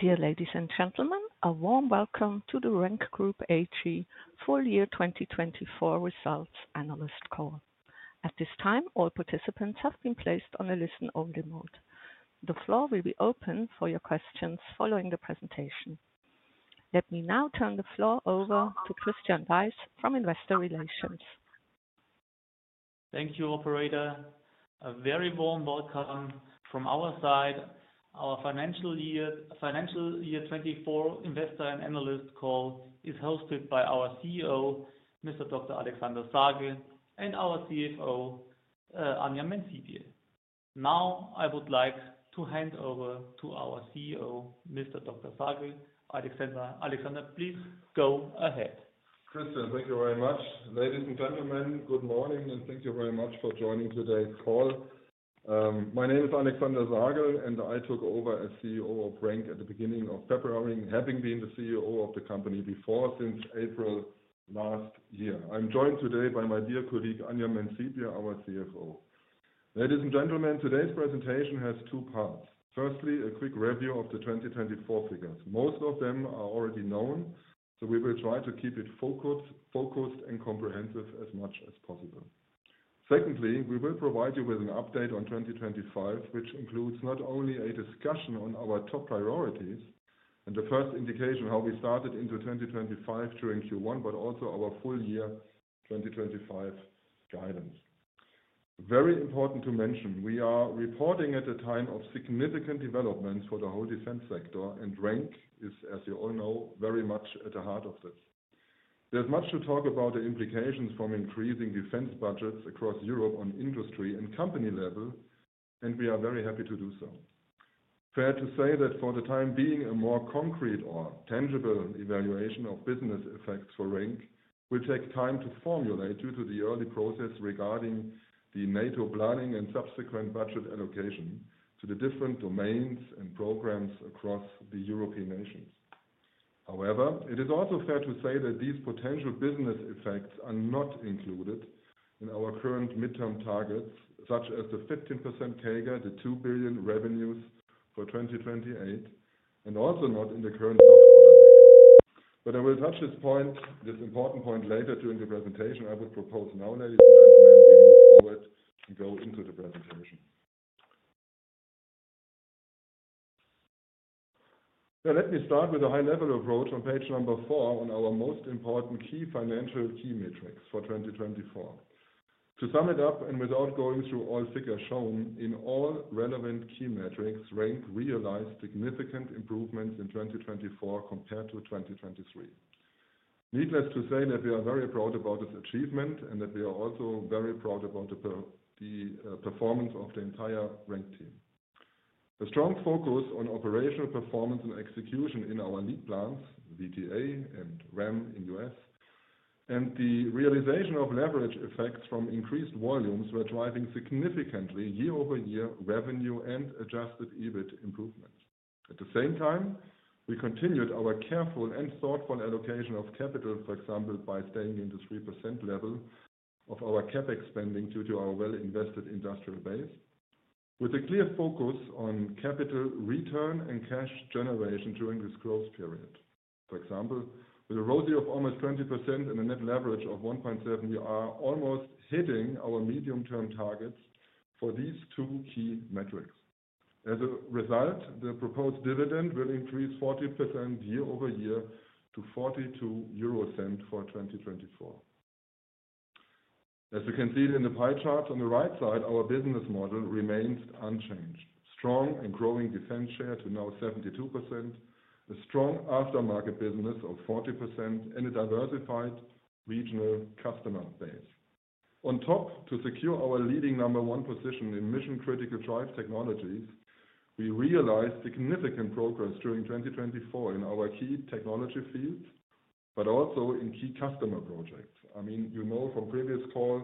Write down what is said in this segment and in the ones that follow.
Dear ladies and gentlemen, a warm welcome to the RENK Group AG full year 2024 results analyst call. At this time, all participants have been placed on a listen-only mode. The floor will be open for your questions following the presentation. Let me now turn the floor over to Christian Weiß from Investor Relations. Thank you, Operator. A very warm welcome from our side. Our financial year 2024 investor and analyst call is hosted by our CEO, Dr. Alexander Sagel, and our CFO, Anja Mänz-Siebje. Now, I would like to hand over to our CEO, Dr. Sagel. Alexander, please go ahead. Christian, thank you very much. Ladies and gentlemen, good morning, and thank you very much for joining today's call. My name is Alexander Sagel, and I took over as CEO of RENK at the beginning of February, having been the CEO of the company before since April last year. I'm joined today by my dear colleague, Anja Mänz-Siebje, our CFO. Ladies and gentlemen, today's presentation has two parts. Firstly, a quick review of the 2024 figures. Most of them are already known, so we will try to keep it focused and comprehensive as much as possible. Secondly, we will provide you with an update on 2025, which includes not only a discussion on our top priorities and the first indication of how we started into 2025 during Q1, but also our full year 2025 guidance. Very important to mention, we are reporting at a time of significant developments for the whole defense sector, and RENK is, as you all know, very much at the heart of this. There is much to talk about the implications from increasing defense budgets across Europe on industry and company level, and we are very happy to do so. Fair to say that for the time being, a more concrete or tangible evaluation of business effects for RENK will take time to formulate due to the early process regarding the NATO planning and subsequent budget allocation to the different domains and programs across the European nations. However, it is also fair to say that these potential business effects are not included in our current midterm targets, such as the 15% CAGR, the 2 billion revenues for 2028, and also not in the current. I will touch this important point later during the presentation. I would propose now, ladies and gentlemen, we move forward and go into the presentation. Let me start with a high-level approach on page number four on our most important key financial key metrics for 2024. To sum it up, and without going through all figures shown, in all relevant key metrics, RENK realized significant improvements in 2024 compared to 2023. Needless to say that we are very proud about this achievement and that we are also very proud about the performance of the entire RENK team. The strong focus on operational performance and execution in our lead plants, VTA and RAM in the US, and the realization of leverage effects from increased volumes were driving significantly year-over-year revenue and adjusted EBIT improvements. At the same time, we continued our careful and thoughtful allocation of capital, for example, by staying in the 3% level of our CapEx spending due to our well-invested industrial base, with a clear focus on capital return and cash generation during this growth period. For example, with a ROCE of almost 20% and a net leverage of 1.7, we are almost hitting our medium-term targets for these two key metrics. As a result, the proposed dividend will increase 40% year-over-year to 0.42 for 2024. As you can see in the pie chart on the right side, our business model remains unchanged: strong and growing defense share to now 72%, a strong aftermarket business of 40%, and a diversified regional customer base. On top, to secure our leading number one position in mission-critical drive technologies, we realized significant progress during 2024 in our key technology fields, but also in key customer projects. I mean, you know from previous calls,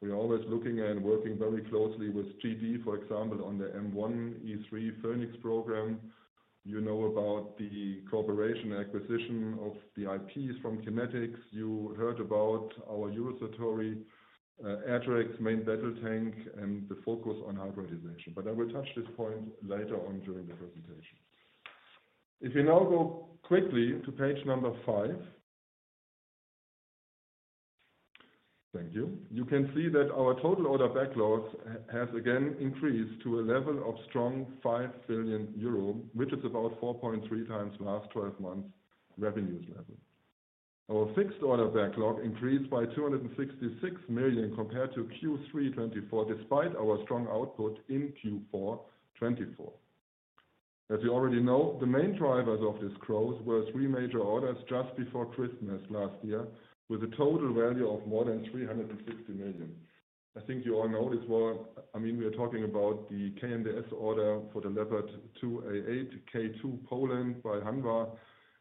we are always looking and working very closely with GD, for example, on the M1E3 Phoenix program. You know about the corporation acquisition of the IPs from Kinetics. You heard about our user story ATREX, main battle tank, and the focus on hybridization. I will touch this point later on during the presentation. If we now go quickly to page number 5, thank you, you can see that our total order backlog has again increased to a level of strong 5 billion euro, which is about 4.3 times last 12 months' revenues level. Our fixed order backlog increased by 266 million compared to Q3 2024, despite our strong output in Q4 2024. As you already know, the main drivers of this growth were three major orders just before Christmas last year, with a total value of more than 360 million. I think you all know this one. I mean, we are talking about the KNDS order for the Leopard 2A8, K2 Poland by Hanwha,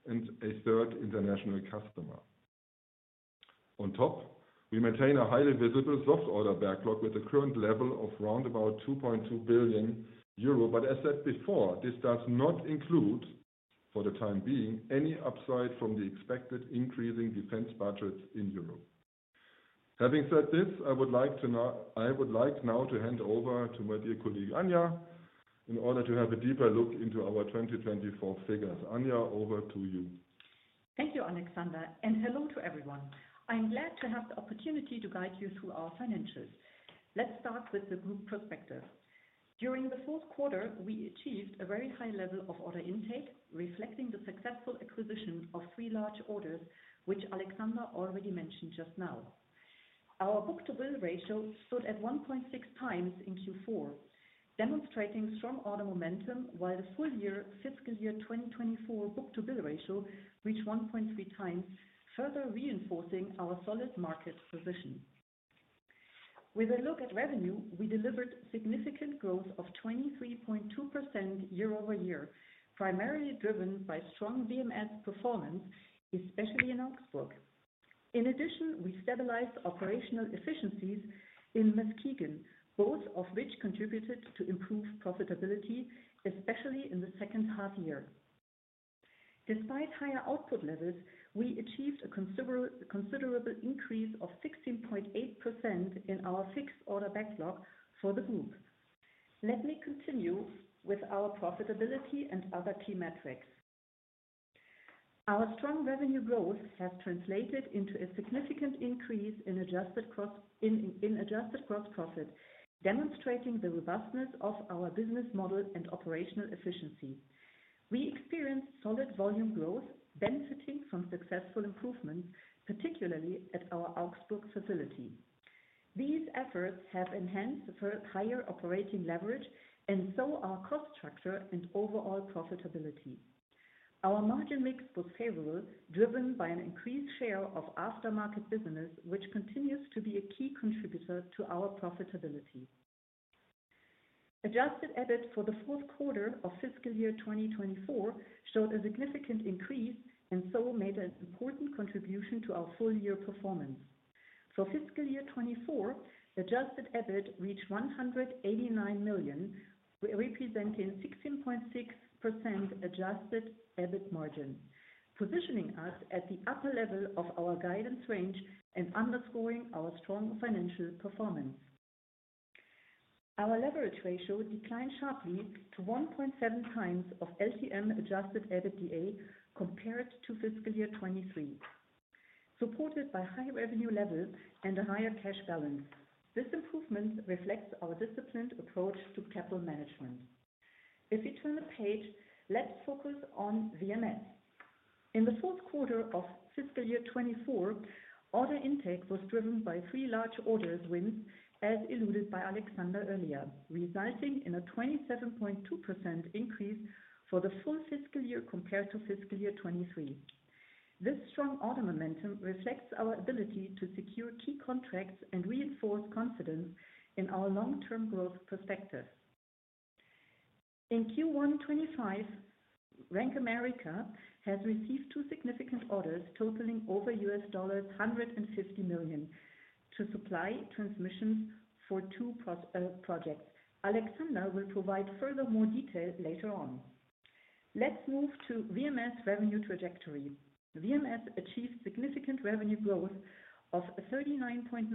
and a third international customer. On top, we maintain a highly visible soft order backlog with the current level of around 2.2 billion euro. As said before, this does not include, for the time being, any upside from the expected increasing defense budgets in Europe. Having said this, I would like now to hand over to my dear colleague, Anja, in order to have a deeper look into our 2024 figures. Anja, over to you. Thank you, Alexander, and hello to everyone. I'm glad to have the opportunity to guide you through our financials. Let's start with the group perspective. During the fourth quarter, we achieved a very high level of order intake, reflecting the successful acquisition of three large orders, which Alexander already mentioned just now. Our book-to-bill ratio stood at 1.6 times in Q4, demonstrating strong order momentum, while the full year fiscal year 2024 book-to-bill ratio reached 1.3 times, further reinforcing our solid market position. With a look at revenue, we delivered significant growth of 23.2% year-over-year, primarily driven by strong VMS performance, especially in Augsburg. In addition, we stabilized operational efficiencies in Muskegon, both of which contributed to improved profitability, especially in the second half year. Despite higher output levels, we achieved a considerable increase of 16.8% in our fixed order backlog for the group. Let me continue with our profitability and other key metrics. Our strong revenue growth has translated into a significant increase in adjusted gross profit, demonstrating the robustness of our business model and operational efficiency. We experienced solid volume growth, benefiting from successful improvements, particularly at our Augsburg facility. These efforts have enhanced the higher operating leverage and so our cost structure and overall profitability. Our margin mix was favorable, driven by an increased share of aftermarket business, which continues to be a key contributor to our profitability. Adjusted EBIT for the fourth quarter of fiscal year 2024 showed a significant increase and so made an important contribution to our full year performance. For fiscal year 2024, adjusted EBIT reached 189 million, representing a 16.6% adjusted EBIT margin, positioning us at the upper level of our guidance range and underscoring our strong financial performance. Our leverage ratio declined sharply to 1.7 times of LTM adjusted EBIT compared to fiscal year 2023, supported by high revenue levels and a higher cash balance. This improvement reflects our disciplined approach to capital management. If we turn the page, let's focus on VMS. In the fourth quarter of fiscal year 2024, order intake was driven by three large order wins, as alluded by Alexander earlier, resulting in a 27.2% increase for the full fiscal year compared to fiscal year 2023. This strong order momentum reflects our ability to secure key contracts and reinforce confidence in our long-term growth perspective. In Q1 2025, RENK America has received two significant orders totaling over $150 million to supply transmissions for two projects. Alexander will provide further more detail later on. Let's move to VMS revenue trajectory. VMS achieved significant revenue growth of 39.9%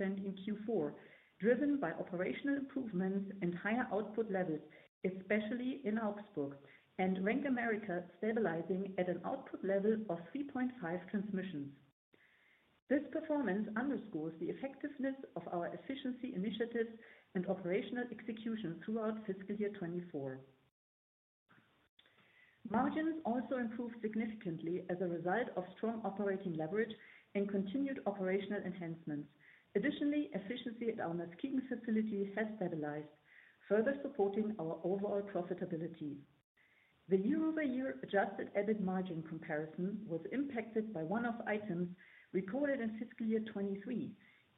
in Q4, driven by operational improvements and higher output levels, especially in Augsburg, and RENK America stabilizing at an output level of 3.5 transmissions. This performance underscores the effectiveness of our efficiency initiatives and operational execution throughout fiscal year 2024. Margins also improved significantly as a result of strong operating leverage and continued operational enhancements. Additionally, efficiency at our Muskegon facility has stabilized, further supporting our overall profitability. The year-over-year adjusted EBIT margin comparison was impacted by one of the items recorded in fiscal year 2023,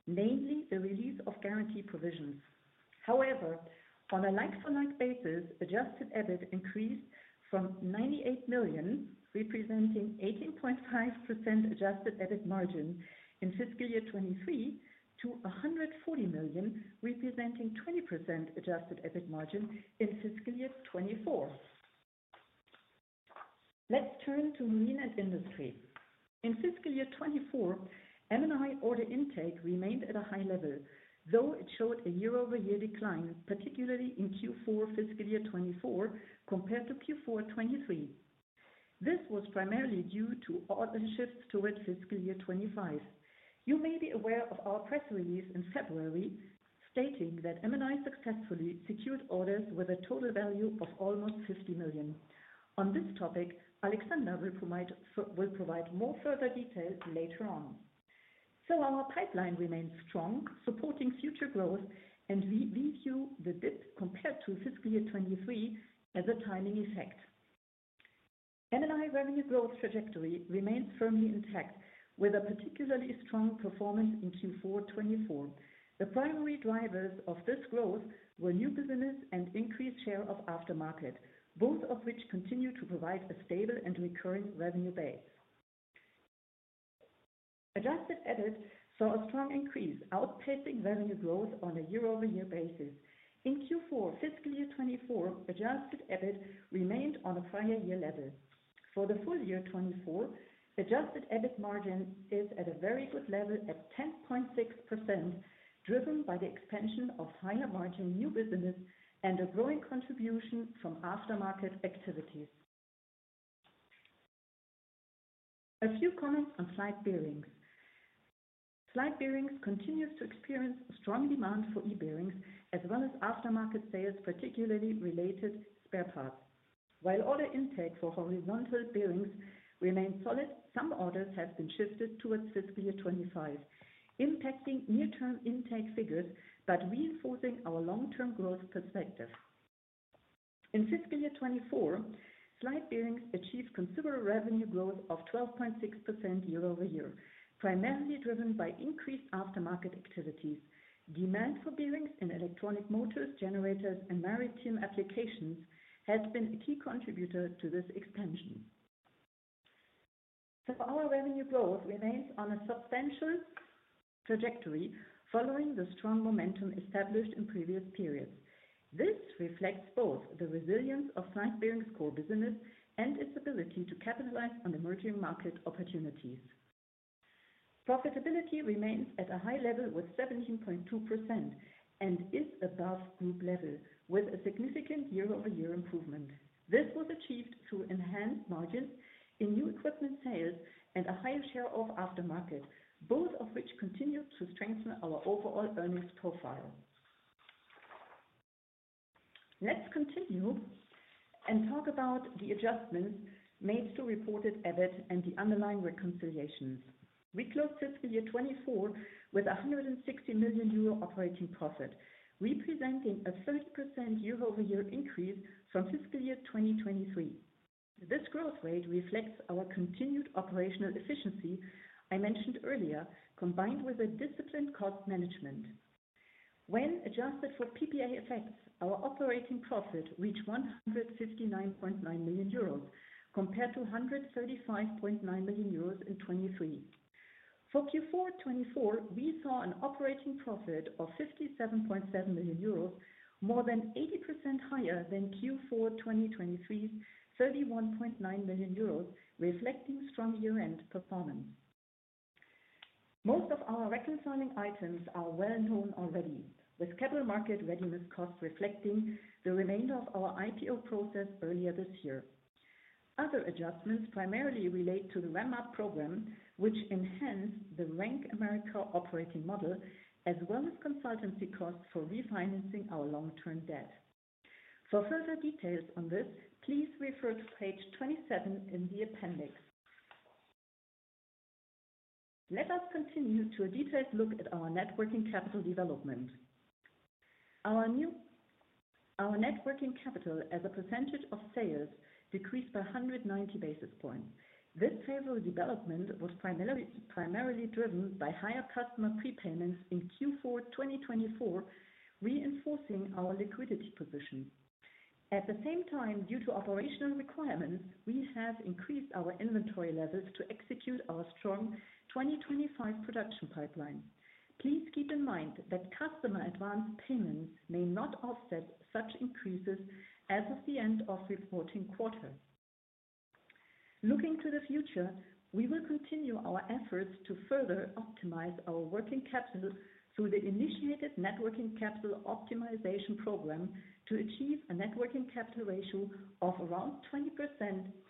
namely the release of guarantee provisions. However, on a like-for-like basis, adjusted EBIT increased from 98 million, representing 18.5% adjusted EBIT margin in fiscal year 2023, to 140 million, representing 20% adjusted EBIT margin in fiscal year 2024. Let's turn to marine and industry. In fiscal year 2024, M&I order intake remained at a high level, though it showed a year-over-year decline, particularly in Q4 fiscal year 2024 compared to Q4 2023. This was primarily due to order shifts towards fiscal year 2025. You may be aware of our press release in February stating that M&I successfully secured orders with a total value of almost 50 million. On this topic, Alexander will provide more further detail later on. Our pipeline remains strong, supporting future growth, and we view the dip compared to fiscal year 2023 as a timing effect. M&I revenue growth trajectory remains firmly intact, with a particularly strong performance in Q4 2024. The primary drivers of this growth were new business and increased share of aftermarket, both of which continue to provide a stable and recurring revenue base. Adjusted EBIT saw a strong increase, outpacing revenue growth on a year-over-year basis. In Q4 fiscal year 2024, adjusted EBIT remained on a prior year level. For the full year 2024, adjusted EBIT margin is at a very good level at 10.6%, driven by the expansion of higher margin new business and a growing contribution from aftermarket activities. A few comments on slide bearings. Slide bearings continues to experience strong demand for E-bearings, as well as aftermarket sales, particularly related spare parts. While order intake for horizontal bearings remains solid, some orders have been shifted towards fiscal year 2025, impacting near-term intake figures but reinforcing our long-term growth perspective. In fiscal year 2024, slide bearings achieved considerable revenue growth of 12.6% year-over-year, primarily driven by increased aftermarket activities. Demand for bearings in electronic motors, generators, and maritime applications has been a key contributor to this expansion. Our revenue growth remains on a substantial trajectory following the strong momentum established in previous periods. This reflects both the resilience of slide bearings core business and its ability to capitalize on emerging market opportunities. Profitability remains at a high level with 17.2% and is above group level, with a significant year-over-year improvement. This was achieved through enhanced margins in new equipment sales and a higher share of aftermarket, both of which continue to strengthen our overall earnings profile. Let's continue and talk about the adjustments made to reported EBIT and the underlying reconciliations. We closed fiscal year 2024 with 160 million euro operating profit, representing a 30% year-over-year increase from fiscal year 2023. This growth rate reflects our continued operational efficiency I mentioned earlier, combined with a disciplined cost management. When adjusted for PPA effects, our operating profit reached 159.9 million euros, compared to 135.9 million euros in 2023. For Q4 2024, we saw an operating profit of 57.7 million euros, more than 80% higher than Q4 2023's 31.9 million euros, reflecting strong year-end performance. Most of our reconciling items are well known already, with capital market readiness costs reflecting the remainder of our IPO process earlier this year. Other adjustments primarily relate to the REMA program, which enhanced the RENK America operating model, as well as consultancy costs for refinancing our long-term debt. For further details on this, please refer to page 27 in the appendix. Let us continue to a detailed look at our working capital development. Our working capital as a percentage of sales decreased by 190 basis points. This favorable development was primarily driven by higher customer prepayments in Q4 2024, reinforcing our liquidity position. At the same time, due to operational requirements, we have increased our inventory levels to execute our strong 2025 production pipeline. Please keep in mind that customer advance payments may not offset such increases as of the end of reporting quarter. Looking to the future, we will continue our efforts to further optimize our working capital through the initiated working capital optimization program to achieve a working capital ratio of around 20%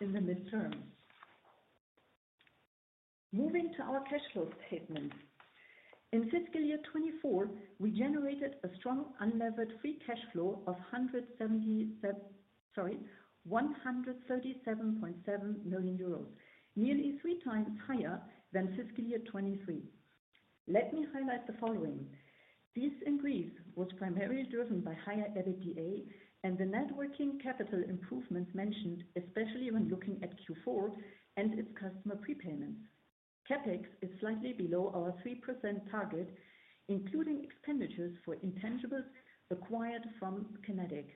in the midterm. Moving to our cash flow statement. In fiscal year 2024, we generated a strong unlevered free cash flow of 137.7 million euros, nearly three times higher than fiscal year 2023. Let me highlight the following. This increase was primarily driven by higher EBITDA and the working capital improvements mentioned, especially when looking at Q4 and its customer prepayments. CapEx is slightly below our 3% target, including expenditures for intangibles acquired from Kinetic.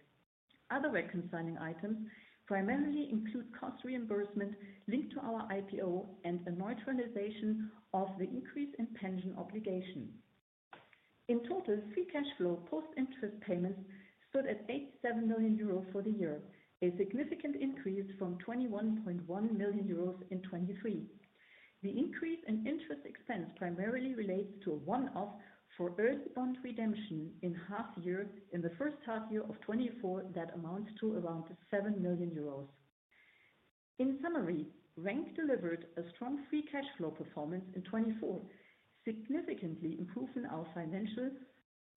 Other reconciling items primarily include cost reimbursement linked to our IPO and a neutralization of the increase in pension obligation. In total, free cash flow post-interest payments stood at 87 million euro for the year, a significant increase from 21.1 million euros in 2023. The increase in interest expense primarily relates to a one-off for early bond redemption in the first half year of 2024 that amounts to around 7 million euros. In summary, RENK delivered a strong free cash flow performance in 2024, significantly improving our financial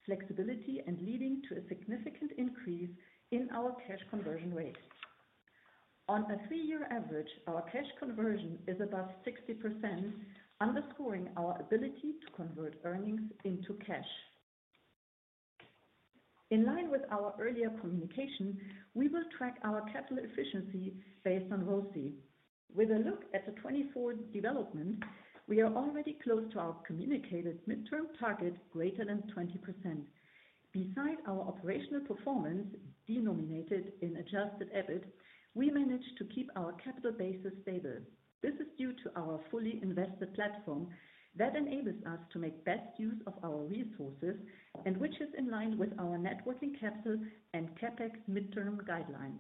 flexibility and leading to a significant increase in our cash conversion rate. On a three-year average, our cash conversion is above 60%, underscoring our ability to convert earnings into cash. In line with our earlier communication, we will track our capital efficiency based on ROCE. With a look at the 2024 development, we are already close to our communicated midterm target greater than 20%. Beside our operational performance denominated in adjusted EBIT, we managed to keep our capital basis stable. This is due to our fully invested platform that enables us to make best use of our resources and which is in line with our networking capital and CapEx midterm guidelines.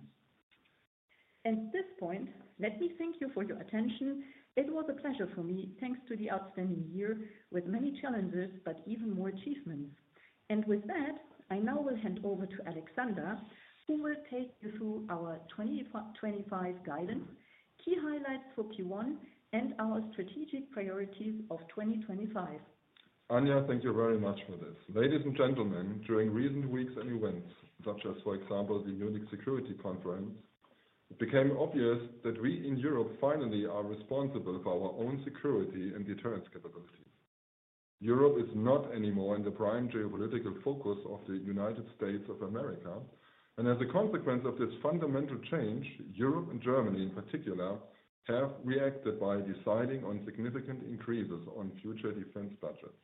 At this point, let me thank you for your attention. It was a pleasure for me. Thanks to the outstanding year with many challenges, but even more achievements. With that, I now will hand over to Alexander, who will take you through our 2025 guidance, key highlights for Q1, and our strategic priorities of 2025. Anja, thank you very much for this. Ladies and gentlemen, during recent weeks and events, such as, for example, the Munich Security Conference, it became obvious that we in Europe finally are responsible for our own security and deterrence capabilities. Europe is not anymore in the prime geopolitical focus of the U.S., and as a consequence of this fundamental change, Europe and Germany in particular have reacted by deciding on significant increases on future defense budgets.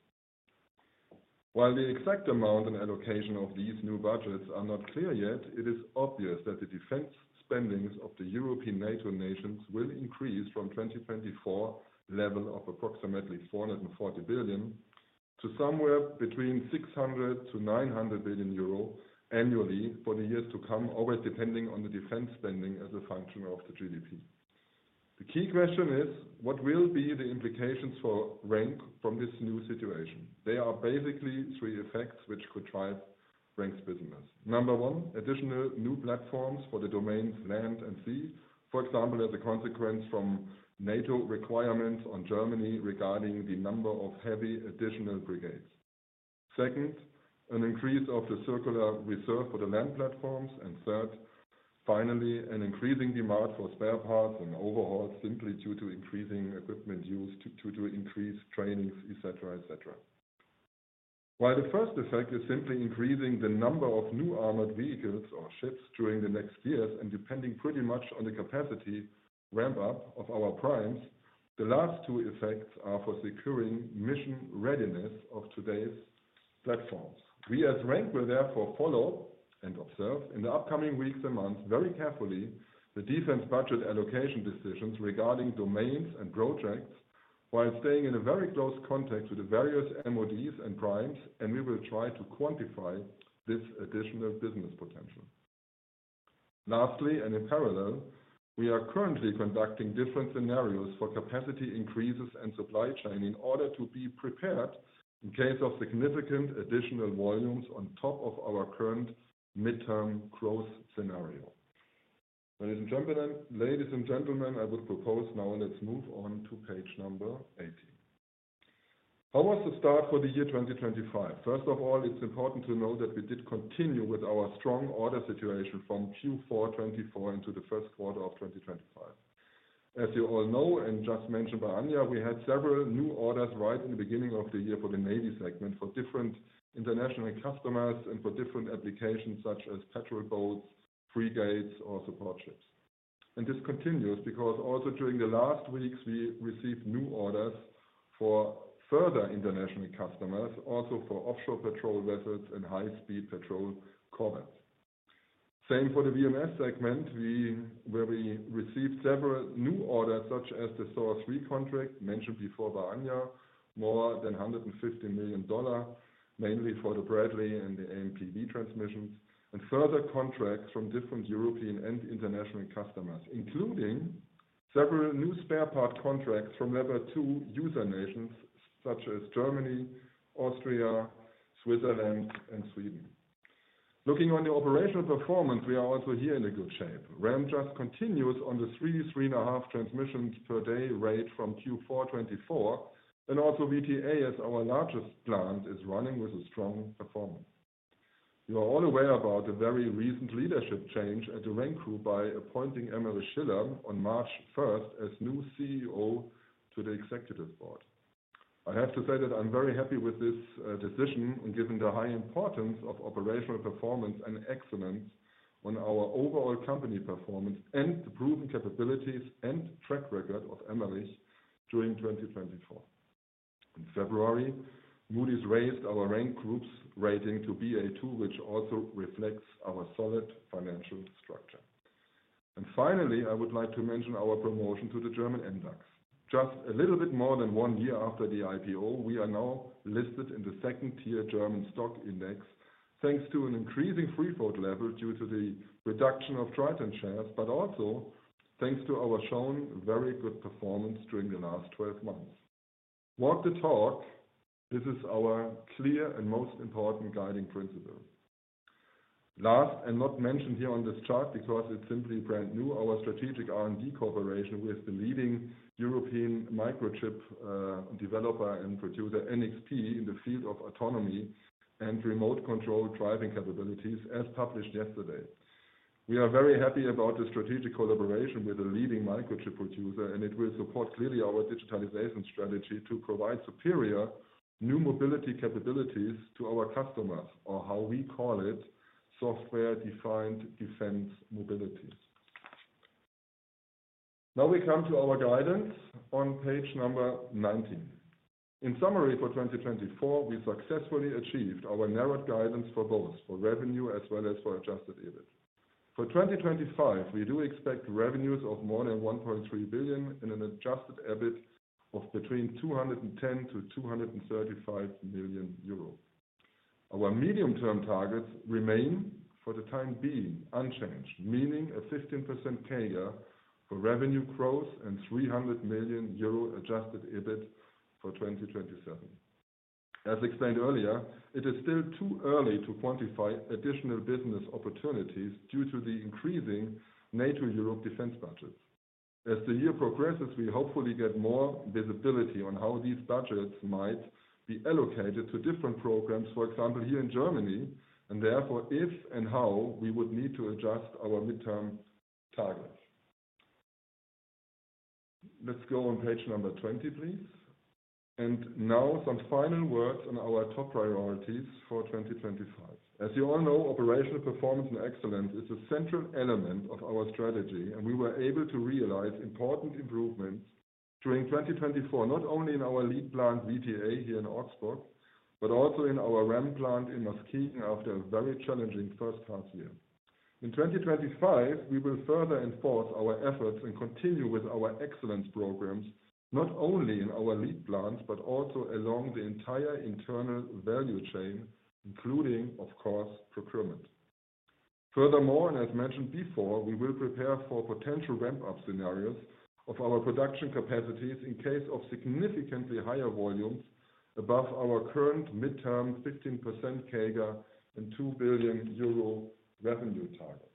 While the exact amount and allocation of these new budgets are not clear yet, it is obvious that the defense spendings of the European NATO nations will increase from 2024 level of approximately 440 billion to somewhere between 600 billion-900 billion euro annually for the years to come, always depending on the defense spending as a function of the GDP. The key question is, what will be the implications for RENK from this new situation? There are basically three effects which could drive RENK's business. Number one, additional new platforms for the domains land and sea, for example, as a consequence from NATO requirements on Germany regarding the number of heavy additional brigades. Second, an increase of the circular reserve for the land platforms. And third, finally, an increasing demand for spare parts and overhauls simply due to increasing equipment use, due to increased trainings, et cetera, et cetera. While the first effect is simply increasing the number of new armored vehicles or ships during the next years and depending pretty much on the capacity ramp-up of our primes, the last two effects are for securing mission readiness of today's platforms. We, as RENK, will therefore follow and observe in the upcoming weeks and months very carefully the defense budget allocation decisions regarding domains and projects while staying in very close contact with the various MODs and primes, and we will try to quantify this additional business potential. Lastly, and in parallel, we are currently conducting different scenarios for capacity increases and supply chain in order to be prepared in case of significant additional volumes on top of our current midterm growth scenario. Ladies and gentlemen, I would propose now let's move on to page number 18. How was the start for the year 2025? First of all, it's important to note that we did continue with our strong order situation from Q4 2024 into the first quarter of 2025. As you all know and just mentioned by Anja, we had several new orders right in the beginning of the year for the Navy segment, for different international customers and for different applications such as patrol boats, frigates, or support ships. This continues because also during the last weeks, we received new orders for further international customers, also for offshore patrol vessels and high-speed patrol corvettes. Same for the VMS segment, where we received several new orders such as the SOAR III contract, mentioned before by Anja, more than $150 million, mainly for the Bradley and the AMPV transmissions, and further contracts from different European and international customers, including several new spare part contracts from level two user nations such as Germany, Austria, Switzerland, and Sweden. Looking on the operational performance, we are also here in a good shape. RENK just continues on the three, three and a half transmissions per day rate from Q4 2024, and also VTA, as our largest plant, is running with a strong performance. You are all aware about the very recent leadership change at the RENK Group by appointing Emmerich Schiller on March 1 as new CEO to the executive board. I have to say that I'm very happy with this decision and given the high importance of operational performance and excellence on our overall company performance and the proven capabilities and track record of Emmerich during 2024. In February, Moody's raised our RENK Group's rating to Ba2, which also reflects our solid financial structure. Finally, I would like to mention our promotion to the German MDAX. Just a little bit more than one year after the IPO, we are now listed in the second-tier German stock index, thanks to an increasing free float level due to the reduction of Triton shares, but also thanks to our shown very good performance during the last 12 months. Walk the talk, this is our clear and most important guiding principle. Last and not mentioned here on this chart because it's simply brand new, our strategic R&D cooperation with the leading European microchip developer and producer NXP in the field of autonomy and remote control driving capabilities, as published yesterday. We are very happy about the strategic collaboration with the leading microchip producer, and it will support clearly our digitalization strategy to provide superior new mobility capabilities to our customers, or how we call it, software-defined defense mobilities. Now we come to our guidance on page number 19. In summary for 2024, we successfully achieved our narrowed guidance for both for revenue as well as for adjusted EBIT. For 2025, we do expect revenues of more than 1.3 billion and an adjusted EBIT of between 210 million-235 million euros. Our medium-term targets remain for the time being unchanged, meaning a 15% CAGR for revenue growth and 300 million euro adjusted EBIT for 2027. As explained earlier, it is still too early to quantify additional business opportunities due to the increasing NATO Europe defense budgets. As the year progresses, we hopefully get more visibility on how these budgets might be allocated to different programs, for example, here in Germany, and therefore if and how we would need to adjust our midterm targets. Let's go on page number 23. Now some final words on our top priorities for 2025. As you all know, operational performance and excellence is a central element of our strategy, and we were able to realize important improvements during 2024, not only in our lead plant VTA here in Augsburg, but also in our RAM plant in Muskegon after a very challenging first half year. In 2025, we will further enforce our efforts and continue with our excellence programs, not only in our lead plants, but also along the entire internal value chain, including, of course, procurement. Furthermore, as mentioned before, we will prepare for potential ramp-up scenarios of our production capacities in case of significantly higher volumes above our current midterm 15% CAGR and 2 billion euro revenue targets.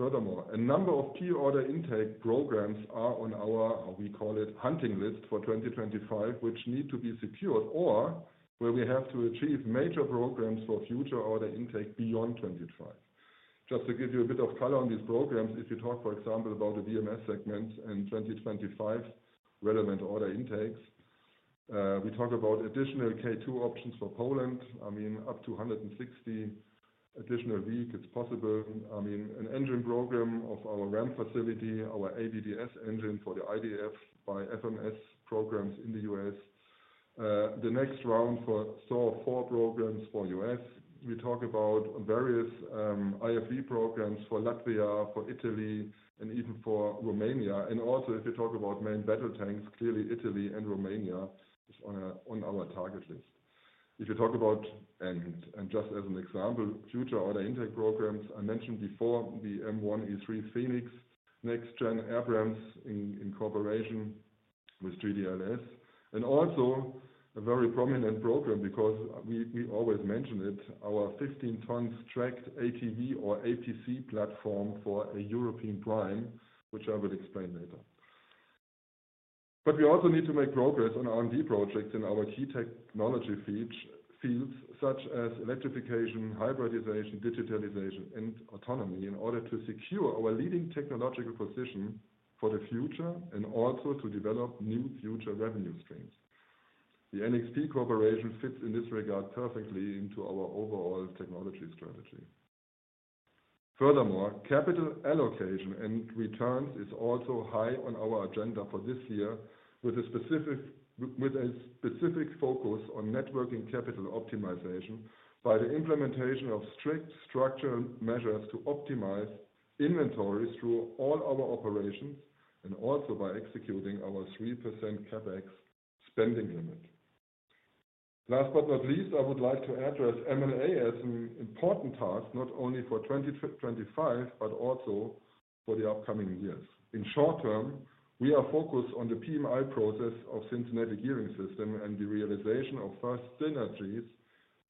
Furthermore, a number of key order intake programs are on our, how we call it, hunting list for 2025, which need to be secured or where we have to achieve major programs for future order intake beyond 2025. Just to give you a bit of color on these programs, if you talk, for example, about the VMS segments and 2025 relevant order intakes, we talk about additional K2 options for Poland. I mean, up to 160 additional vehicles is possible. I mean, an engine program of our RAM facility, our AVDS engine for the IDF by FMS programs in the US. The next round for SOAR IV programs for US, we talk about various IFV programs for Latvia, for Italy, and even for Romania. Also, if you talk about main battle tanks, clearly Italy and Romania is on our target list. If you talk about, and just as an example, future order intake programs, I mentioned before the M1E3 Phoenix next-gen Abrams in cooperation with GDLS, and also a very prominent program because we always mention it, our 15-ton tracked ATV or APC platform for a European prime, which I will explain later. We also need to make progress on R&D projects in our key technology fields, such as electrification, hybridization, digitalization, and autonomy in order to secure our leading technological position for the future and also to develop new future revenue streams. The NXP cooperation fits in this regard perfectly into our overall technology strategy. Furthermore, capital allocation and returns is also high on our agenda for this year with a specific focus on working capital optimization by the implementation of strict structural measures to optimize inventories through all our operations and also by executing our 3% CapEx spending limit. Last but not least, I would like to address M&A as an important task not only for 2025, but also for the upcoming years. In short term, we are focused on the PMI process of Cincinnati Gearing Systems and the realization of first synergies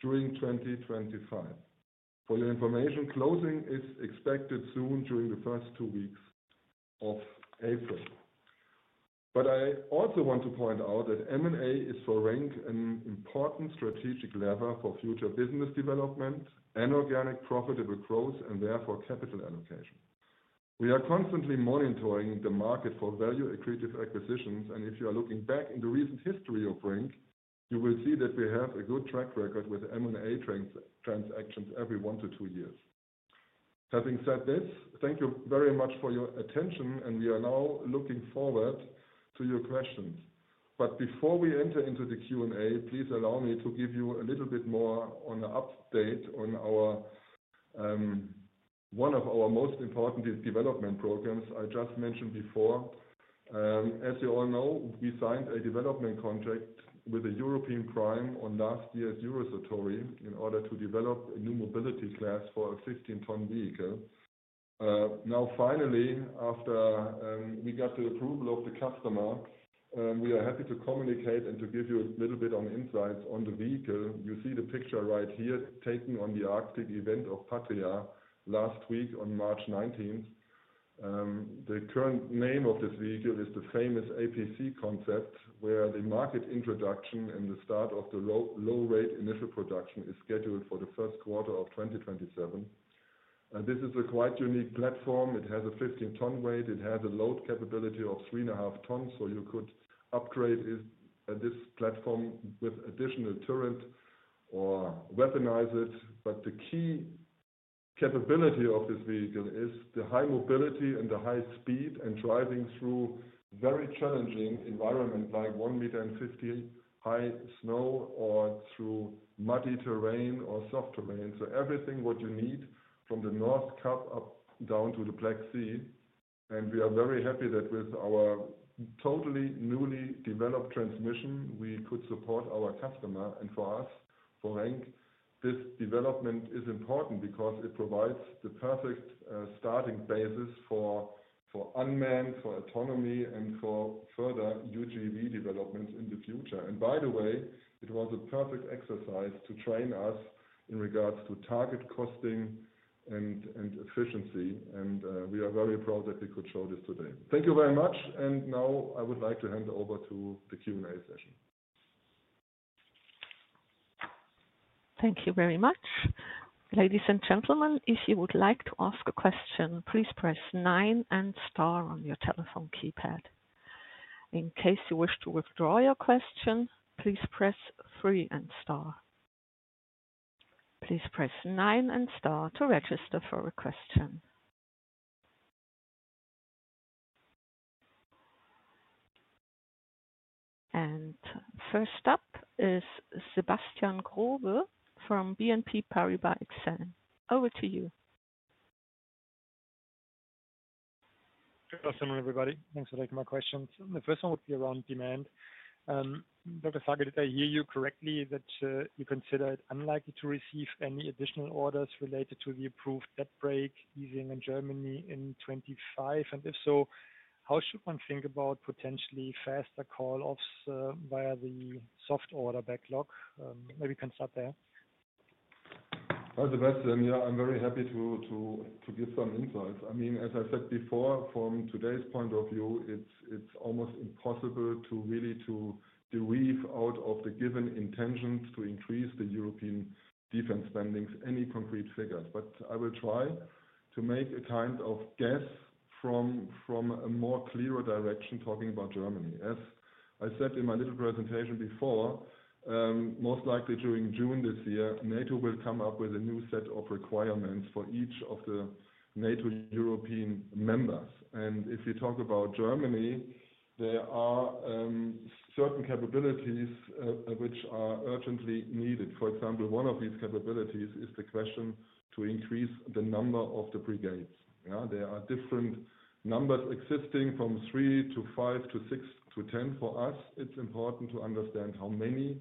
during 2025. For your information, closing is expected soon during the first two weeks of April. I also want to point out that M&A is for RENK an important strategic lever for future business development and organic profitable growth and therefore capital allocation. We are constantly monitoring the market for value accretive acquisitions, and if you are looking back in the recent history of RENK, you will see that we have a good track record with M&A transactions every one to two years. Having said this, thank you very much for your attention, and we are now looking forward to your questions. Before we enter into the Q&A, please allow me to give you a little bit more on an update on one of our most important development programs I just mentioned before. As you all know, we signed a development contract with a European prime on last year's Eurosatory in order to develop a new mobility class for a 15-ton vehicle. Now, finally, after we got the approval of the customer, we are happy to communicate and to give you a little bit of insights on the vehicle. You see the picture right here taken on the Arctic event of Patria last week on March 19th. The current name of this vehicle is the famous APC concept, where the market introduction and the start of the low rate initial production is scheduled for the first quarter of 2027. This is a quite unique platform. It has a 15-ton weight. It has a load capability of 3.5 tons, so you could upgrade this platform with additional turret or weaponize it. The key capability of this vehicle is the high mobility and the high speed and driving through very challenging environments like 1 meter and 50 high snow or through muddy terrain or soft terrain. Everything what you need from the North Cape up down to the Black Sea. We are very happy that with our totally newly developed transmission, we could support our customer. For us, for RENK, this development is important because it provides the perfect starting basis for unmanned, for autonomy, and for further UGV developments in the future. By the way, it was a perfect exercise to train us in regards to target costing and efficiency, and we are very proud that we could show this today. Thank you very much, and now I would like to hand over to the Q&A session. Thank you very much. Ladies and gentlemen, if you would like to ask a question, please press 9 and star on your telephone keypad. In case you wish to withdraw your question, please press 3 and star. Please press 9 and star to register for a question. First up is Sebastien Plourde from BNP Paribas CIB. Over to you. Good afternoon, everybody. Thanks for taking my questions. The first one would be around demand. Dr. Sagel, did I hear you correctly that you consider it unlikely to receive any additional orders related to the approved debt break easing in Germany in 2025? If so, how should one think about potentially faster call-offs via the soft order backlog? Maybe you can start there. Hi, Sebastien. Yeah, I'm very happy to give some insights. I mean, as I said before, from today's point of view, it's almost impossible to really derive out of the given intentions to increase the European defense spendings any concrete figures. I will try to make a kind of guess from a more clearer direction talking about Germany. As I said in my little presentation before, most likely during June this year, NATO will come up with a new set of requirements for each of the NATO European members. If you talk about Germany, there are certain capabilities which are urgently needed. For example, one of these capabilities is the question to increase the number of the brigades. There are different numbers existing from three to five to six to 10. For us, it's important to understand how many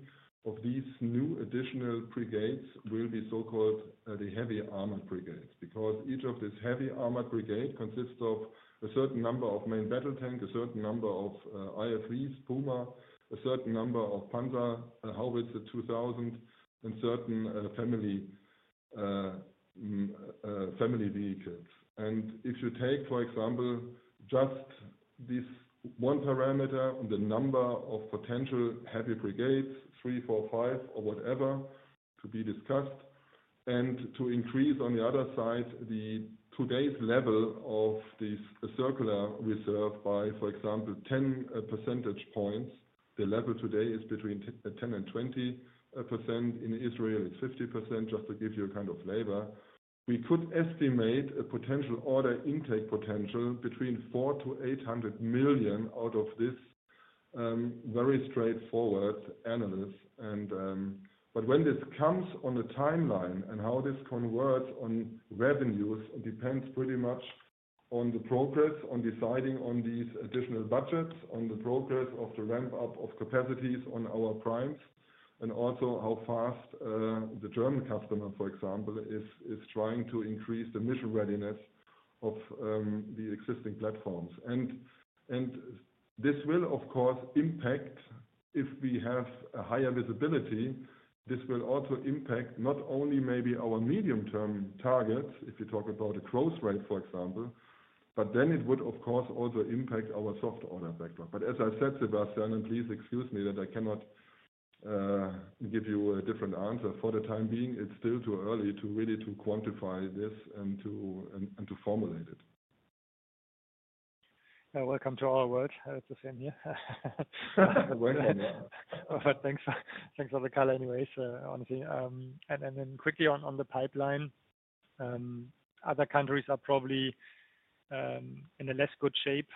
of these new additional brigades will be so-called the heavy armored brigades, because each of these heavy armored brigades consists of a certain number of main battle tanks, a certain number of IFVs, Puma, a certain number of Panzerhaubitze 2000, and certain family vehicles. If you take, for example, just this one parameter on the number of potential heavy brigades, three, four, five, or whatever to be discussed, and to increase on the other side the today's level of this circular reserve by, for example, 10 percentage points, the level today is between 10% and 20%. In Israel, it's 50%, just to give you a kind of flavor. We could estimate a potential order intake potential between 400 million-800 million out of this, very straightforward, analyst. When this comes on the timeline and how this converts on revenues, it depends pretty much on the progress on deciding on these additional budgets, on the progress of the ramp up of capacities on our primes, and also how fast the German customer, for example, is trying to increase the mission readiness of the existing platforms. This will, of course, impact if we have a higher visibility. This will also impact not only maybe our medium-term targets, if you talk about a growth rate, for example, but it would, of course, also impact our soft order backlog. As I said, Sebastien, and please excuse me that I cannot give you a different answer. For the time being, it's still too early to really quantify this and to formulate it. Welcome to all our world. Hello to Sam here. Welcome. Thanks for the call anyways, honestly. Quickly on the pipeline, other countries are probably in a less good shape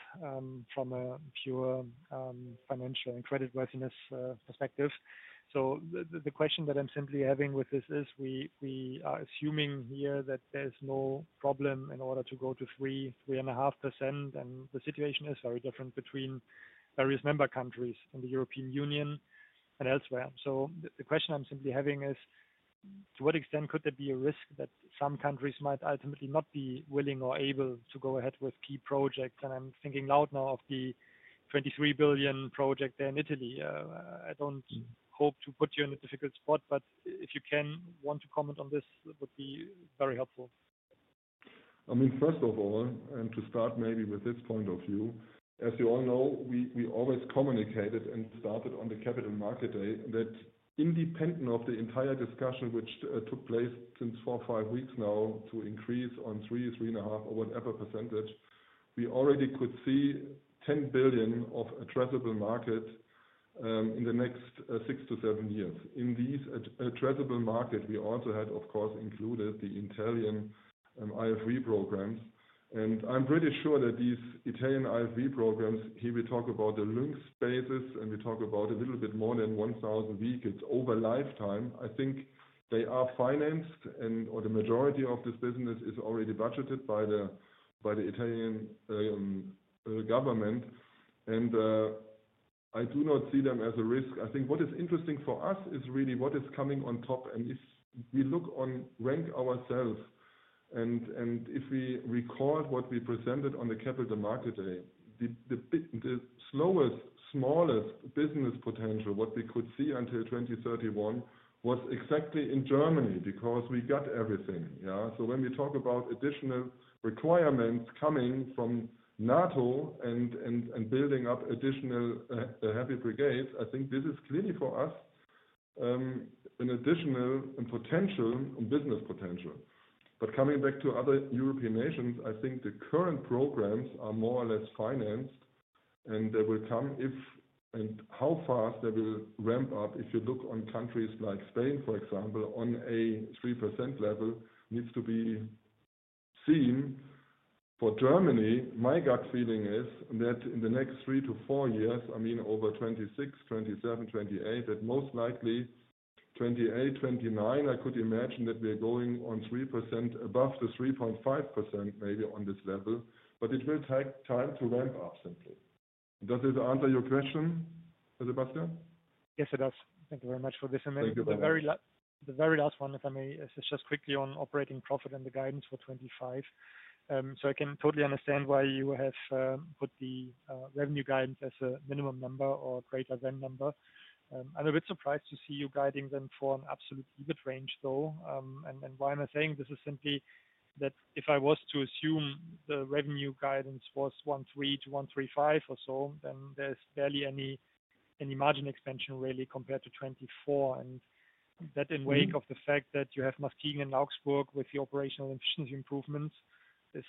from a pure financial and creditworthiness perspective. The question that I'm simply having with this is we are assuming here that there is no problem in order to go to 3-3.5%, and the situation is very different between various member countries in the European Union and elsewhere. The question I'm simply having is, to what extent could there be a risk that some countries might ultimately not be willing or able to go ahead with key projects? I'm thinking loud now of the 23 billion project there in Italy. I do not hope to put you in a difficult spot, but if you can want to comment on this, it would be very helpful. I mean, first of all, and to start maybe with this point of view, as you all know, we always communicated and started on the capital market day that independent of the entire discussion which took place since four, five weeks now to increase on 3%, 3.5%, or whatever percentage, we already could see 10 billion of addressable market in the next six to seven years. In this addressable market, we also had, of course, included the Italian IFV programs. I am pretty sure that these Italian IFV programs, here we talk about the Lynx basis, and we talk about a little bit more than 1,000 vehicles over lifetime. I think they are financed, and the majority of this business is already budgeted by the Italian government. I do not see them as a risk. I think what is interesting for us is really what is coming on top, and if we look on RENK ourselves, and if we recall what we presented on the capital market day, the slowest, smallest business potential, what we could see until 2031, was exactly in Germany because we got everything. When we talk about additional requirements coming from NATO and building up additional heavy brigades, I think this is clearly for us an additional potential and business potential. Coming back to other European nations, I think the current programs are more or less financed, and they will come if and how fast they will ramp up. If you look on countries like Spain, for example, on a 3% level needs to be seen. For Germany, my gut feeling is that in the next three to four years, I mean over 2026, 2027, 2028, that most likely 2028, 2029, I could imagine that we're going on 3% above the 3.5% maybe on this level, but it will take time to ramp up simply. Does it answer your question, Sebastien? Yes, it does. Thank you very much for this and then the very last one, if I may, is just quickly on operating profit and the guidance for 2025. I can totally understand why you have put the revenue guidance as a minimum number or greater than number. I'm a bit surprised to see you guiding them for an absolute EBIT range, though. And why am I saying this? It's simply that if I was to assume the revenue guidance was 1.3 billion-1.35 billion or so, then there's barely any margin expansion really compared to 2024. That in wake of the fact that you have Muskegon and Augsburg with the operational efficiency improvements is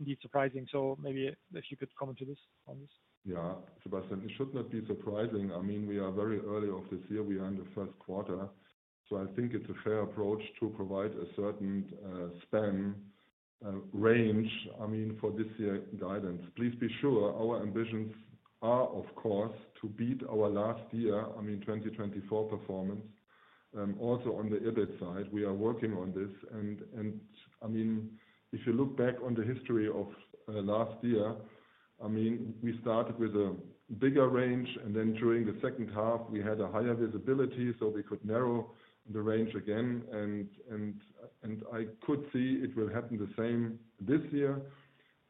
indeed surprising. Maybe if you could comment on this. Yeah, Sebastien, it should not be surprising. I mean, we are very early of this year. We are in the first quarter. I think it's a fair approach to provide a certain span range, I mean, for this year guidance. Please be sure our ambitions are, of course, to beat our last year, I mean, 2024 performance. Also on the EBIT side, we are working on this. I mean, if you look back on the history of last year, we started with a bigger range, and then during the second half, we had a higher visibility so we could narrow the range again. I could see it will happen the same this year.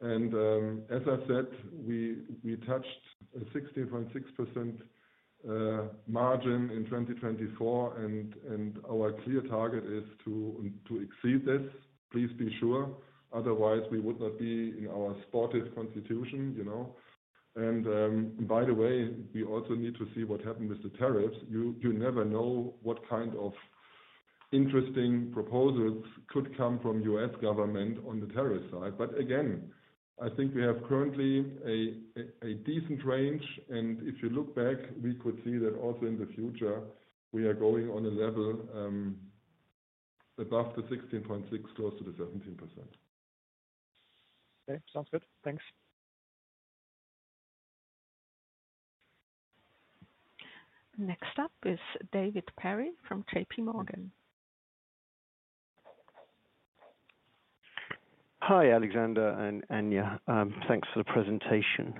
As I said, we touched a 16.6% margin in 2024, and our clear target is to exceed this. Please be sure. Otherwise, we would not be in our sportive constitution. By the way, we also need to see what happened with the tariffs. You never know what kind of interesting proposals could come from the US government on the tariff side. Again, I think we have currently a decent range. If you look back, we could see that also in the future, we are going on a level above the 16.6%, close to the 17%. Okay, sounds good. Thanks. Next up is David Perry from J.P. Morgan. Hi, Alexander and Anja. Thanks for the presentation.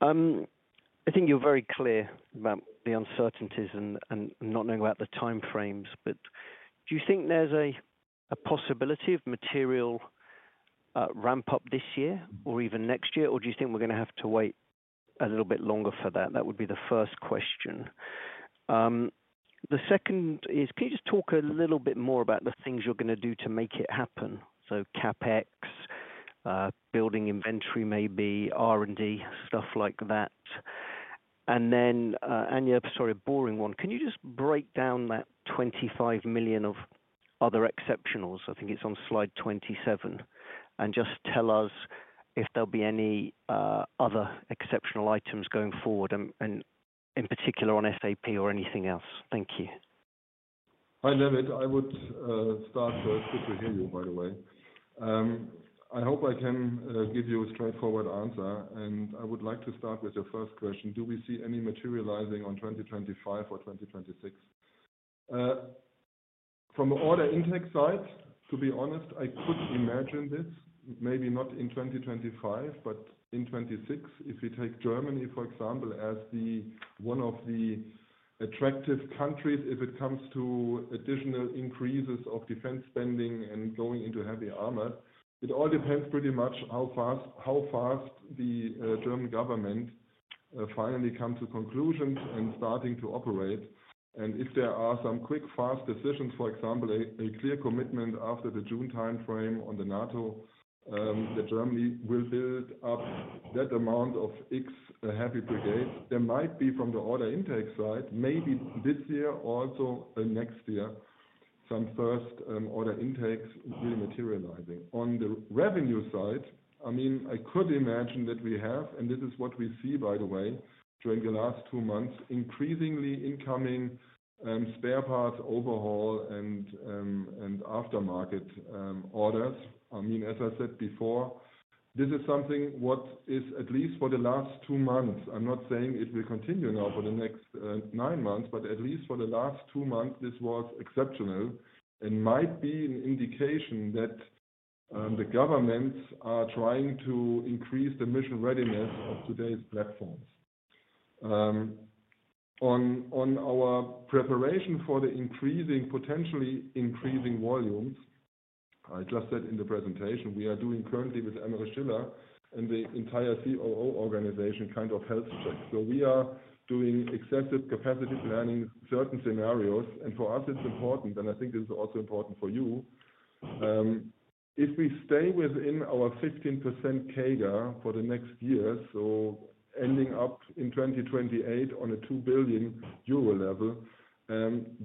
I think you're very clear about the uncertainties and not knowing about the time frames. Do you think there's a possibility of material ramp up this year or even next year, or do you think we're going to have to wait a little bit longer for that? That would be the first question. The second is, can you just talk a little bit more about the things you're going to do to make it happen? CapEx, building inventory maybe, R&D, stuff like that. Anja, sorry, a boring one. Can you just break down that 25 million of other exceptionals? I think it's on slide 27. Just tell us if there'll be any other exceptional items going forward, in particular on SAP or anything else. Thank you. I love it. I would start with good to hear you, by the way. I hope I can give you a straightforward answer, and I would like to start with your first question. Do we see any materializing on 2025 or 2026? From the order intake side, to be honest, I could imagine this, maybe not in 2025, but in 2026, if we take Germany, for example, as one of the attractive countries if it comes to additional increases of defense spending and going into heavy armor. It all depends pretty much how fast the German government finally comes to conclusions and starting to operate. If there are some quick, fast decisions, for example, a clear commitment after the June time frame on the NATO, that Germany will build up that amount of X heavy brigades, there might be from the order intake side, maybe this year or also next year, some first order intakes really materializing. On the revenue side, I mean, I could imagine that we have, and this is what we see, by the way, during the last two months, increasingly incoming spare parts overhaul and aftermarket orders. I mean, as I said before, this is something what is at least for the last two months. I'm not saying it will continue now for the next nine months, but at least for the last two months, this was exceptional and might be an indication that the governments are trying to increase the mission readiness of today's platforms. On our preparation for the increasing, potentially increasing volumes, I just said in the presentation, we are doing currently with Emmerich Schiller and the entire COO organization kind of health check. We are doing excessive capacity planning, certain scenarios, and for us, it's important, and I think this is also important for you. If we stay within our 15% CAGR for the next year, ending up in 2028 on a 2 billion euro level,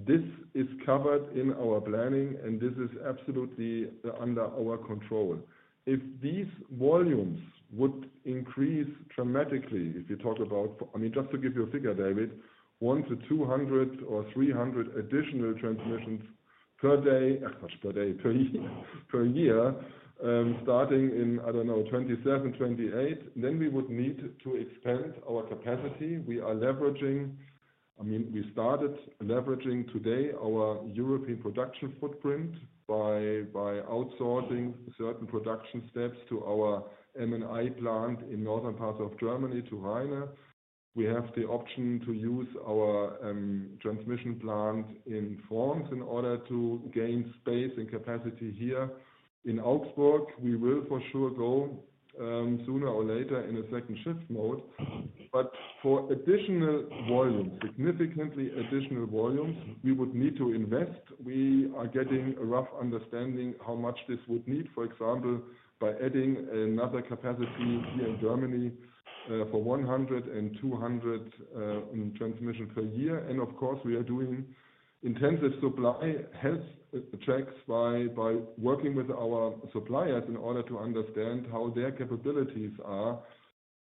this is covered in our planning, and this is absolutely under our control. If these volumes would increase dramatically, if you talk about, I mean, just to give you a figure, David, 100-200 or 300 additional transmissions per year, starting in, I don't know, 2027, 2028, then we would need to expand our capacity. We are leveraging, I mean, we started leveraging today our European production footprint by outsourcing certain production steps to our M&I plant in northern parts of Germany, to Rheine. We have the option to use our transmission plant in France in order to gain space and capacity here in Augsburg. We will for sure go sooner or later in a second shift mode. For additional volumes, significantly additional volumes, we would need to invest. We are getting a rough understanding how much this would need, for example, by adding another capacity here in Germany for 100-200 transmissions per year. Of course, we are doing intensive supply health checks by working with our suppliers in order to understand how their capabilities are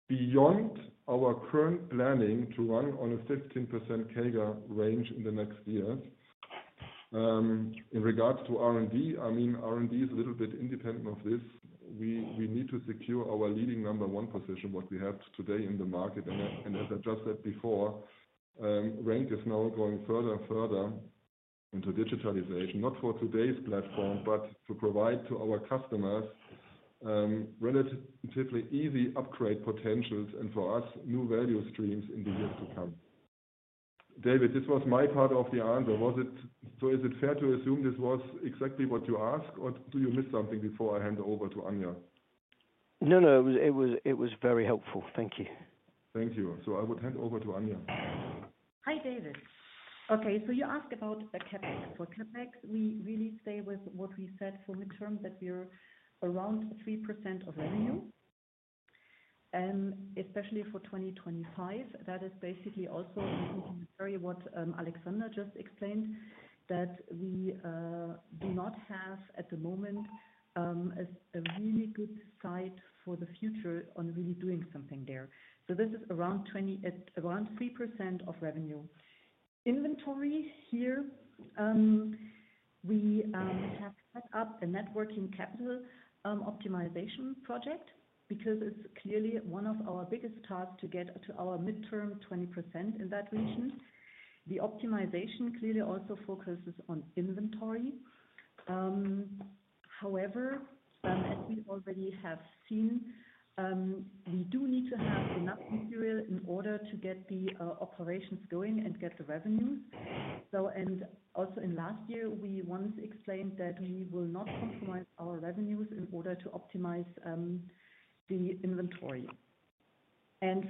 beyond our current planning to run on a 15% CAGR range in the next years. In regards to R&D, I mean, R&D is a little bit independent of this. We need to secure our leading number one position, what we have today in the market. As I just said before, RENK is now going further and further into digitalization, not for today's platform, but to provide to our customers relatively easy upgrade potentials and for us new value streams in the years to come. David, this was my part of the answer. Is it fair to assume this was exactly what you asked, or do you miss something before I hand over to Anja? No, no. It was very helpful. Thank you. Thank you. I would hand over to Anja. Hi, David. Okay, you asked about CapEx. For CapEx, we really stay with what we said for midterm that we are around 3% of revenue, especially for 2025. That is basically also in complementary to what Alexander just explained, that we do not have at the moment a really good sight for the future on really doing something there. This is around 3% of revenue. Inventory here, we have set up a networking capital optimization project because it is clearly one of our biggest task to get to our midterm 20% in that region. The optimization clearly also focuses on inventory. However, as we already have seen, we do need to have enough material in order to get the operations going and get the revenues. Also in last year, we once explained that we will not compromise our revenues in order to optimize the inventory.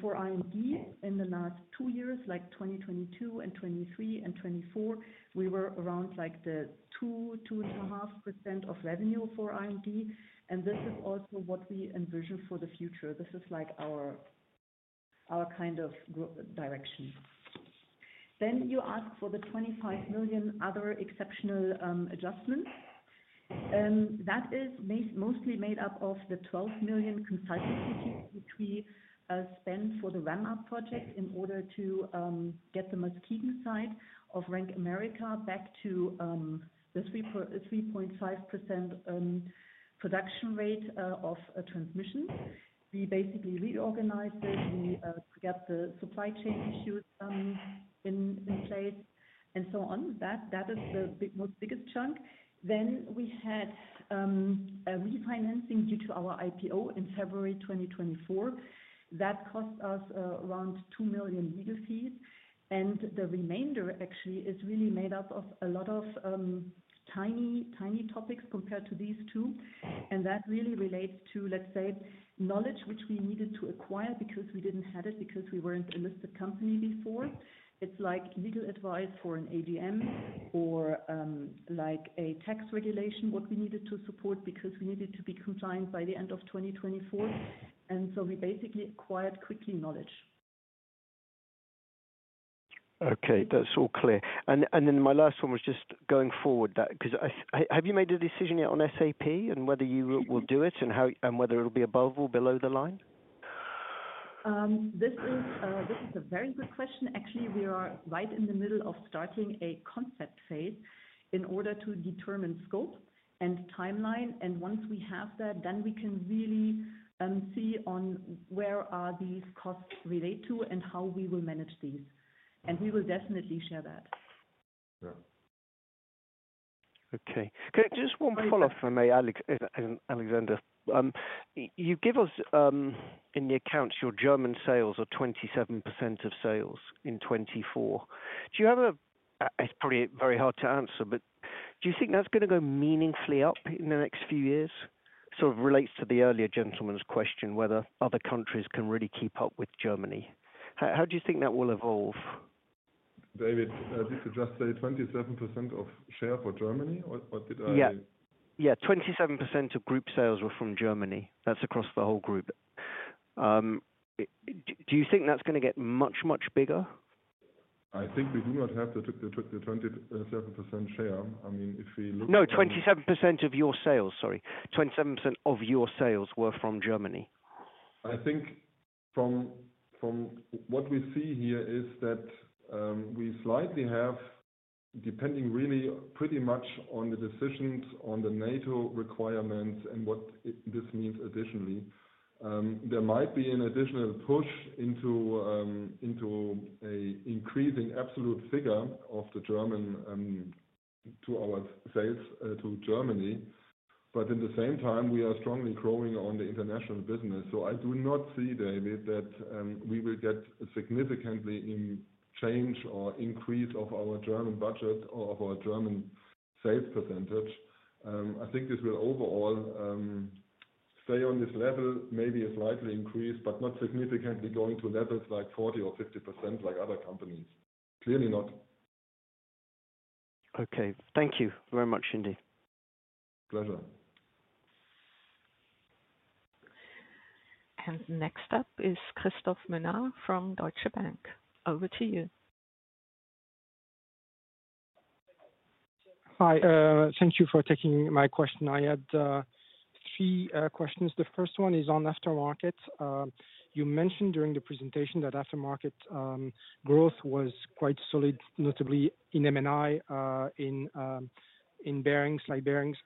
For R&D, in the last two years, like 2022 and 2023 and 2024, we were around like the 2-2.5% of revenue for R&D. This is also what we envision for the future. This is our kind of direction. You asked for the 25 million other exceptional adjustments. That is mostly made up of the 12 million consultancy fees which we spent for the REMA project in order to get the Muskegon site of RENK America back to the 3.5% production rate of transmissions. We basically reorganized it. We got the supply chain issues in place and so on. That is the biggest chunk. We had a refinancing due to our IPO in February 2024. That cost us around 2 million legal fees. The remainder actually is really made up of a lot of tiny topics compared to these two. That really relates to, let's say, knowledge which we needed to acquire because we did not have it because we were not a listed company before. It's like legal advice for an AGM or like a tax regulation what we needed to support because we needed to be compliant by the end of 2024. We basically acquired quickly knowledge. Okay, that's all clear. My last one was just going forward because have you made a decision yet on SAP and whether you will do it and whether it'll be above or below the line? This is a very good question. Actually, we are right in the middle of starting a concept phase in order to determine scope and timeline. Once we have that, then we can really see on where are these costs relate to and how we will manage these. We will definitely share that. Yeah. Okay. Just one follow up for me, Alexander. You give us in the accounts your German sales are 27% of sales in 2024. Do you have a it is probably very hard to answer, but do you think that is going to go meaningfully up in the next few years? Sort of relates to the earlier gentleman's question whether other countries can really keep up with Germany. How do you think that will evolve? David, did you just say 27% of share for Germany or did I? Yeah. Yeah, 27% of group sales were from Germany. That is across the whole group. Do you think that is going to get much, much bigger? I think we do not have the 27% share. I mean, if we look... No, 27% of your sales, sorry. 27% of your sales were from Germany. I think from what we see here is that we slightly have, depending really pretty much on the decisions on the NATO requirements and what this means additionally. There might be an additional push into an increasing absolute figure of the German to our sales to Germany. At the same time, we are strongly growing on the international business. I do not see, David, that we will get significantly in change or increase of our German budget or of our German sales percentage. I think this will overall stay on this level, maybe a slight increase, but not significantly going to levels like 40% or 50% like other companies. Clearly not. Okay. Thank you very much, Indy. Pleasure. Next up is Christophe Menard from Deutsche Bank. Over to you. Hi. Thank you for taking my question. I had three questions. The first one is on aftermarket. You mentioned during the presentation that aftermarket growth was quite solid, notably in M&I, in bearings, slide bearings.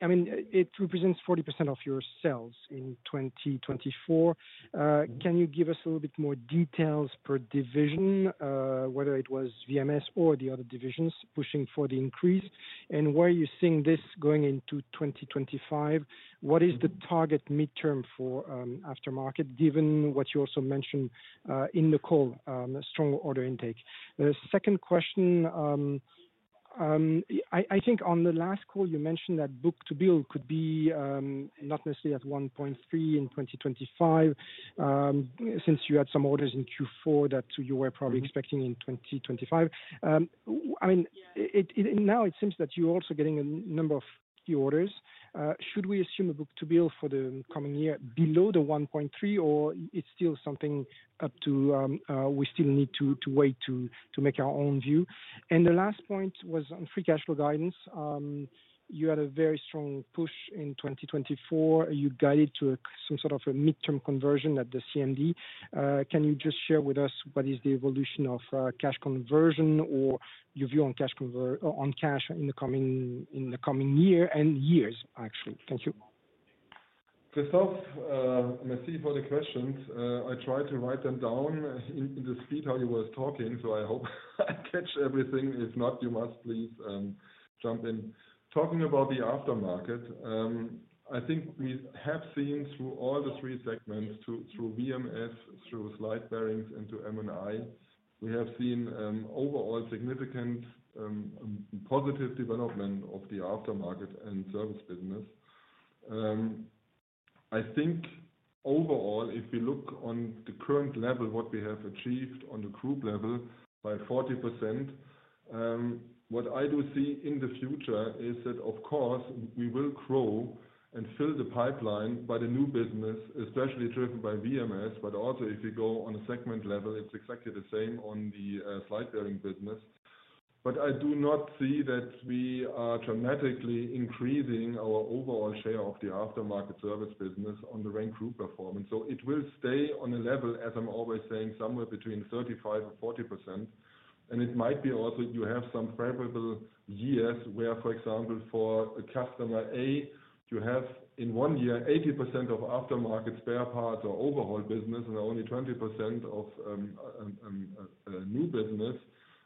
I mean, it represents 40% of your sales in 2024. Can you give us a little bit more details per division, whether it was VMS or the other divisions pushing for the increase? Where are you seeing this going into 2025? What is the target midterm for aftermarket, given what you also mentioned in the call, strong order intake? The second question, I think on the last call, you mentioned that book-to-bill could be not necessarily at 1.3 in 2025, since you had some orders in Q4 that you were probably expecting in 2025. I mean, now it seems that you're also getting a number of key orders. Should we assume a book-to-bill for the coming year below the 1.3, or it's still something we still need to wait to make our own view? The last point was on free cash flow guidance. You had a very strong push in 2024. You guided to some sort of a midterm conversion at the CMD. Can you just share with us what is the evolution of cash conversion or your view on cash in the coming year and years, actually? Thank you. Christophe, merci for the questions. I tried to write them down in the speed how you were talking, so I hope I catch everything. If not, you must please jump in. Talking about the aftermarket, I think we have seen through all the three segments, through VMS, through slide bearings, and to M&I, we have seen overall significant positive development of the aftermarket and service business. I think overall, if we look on the current level, what we have achieved on the group level by 40%, what I do see in the future is that, of course, we will grow and fill the pipeline by the new business, especially driven by VMS. Also, if you go on a segment level, it's exactly the same on the slide bearing business. I do not see that we are dramatically increasing our overall share of the aftermarket service business on the RENK Group performance. It will stay on a level, as I'm always saying, somewhere between 35% and 40%. It might be also you have some favorable years where, for example, for customer A, you have in one year 80% of aftermarket spare parts or overhaul business and only 20% of new business,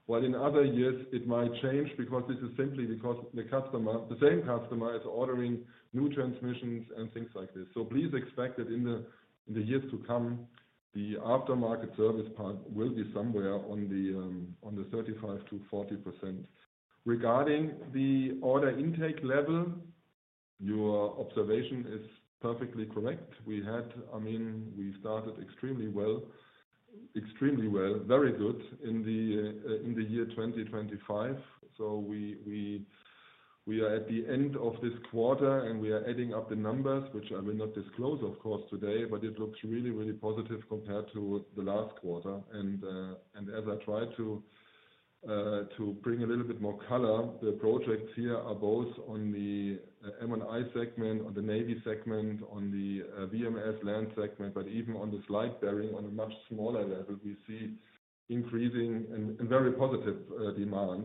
while in other years it might change because this is simply because the same customer is ordering new transmissions and things like this. Please expect that in the years to come, the aftermarket service part will be somewhere on the 35-40%. Regarding the order intake level, your observation is perfectly correct. I mean, we started extremely well, very good in the year 2025. We are at the end of this quarter, and we are adding up the numbers, which I will not disclose, of course, today, but it looks really, really positive compared to the last quarter. As I try to bring a little bit more color, the projects here are both on the M&I segment, on the Navy segment, on the VMS land segment, but even on the slide bearing on a much smaller level, we see increasing and very positive demand.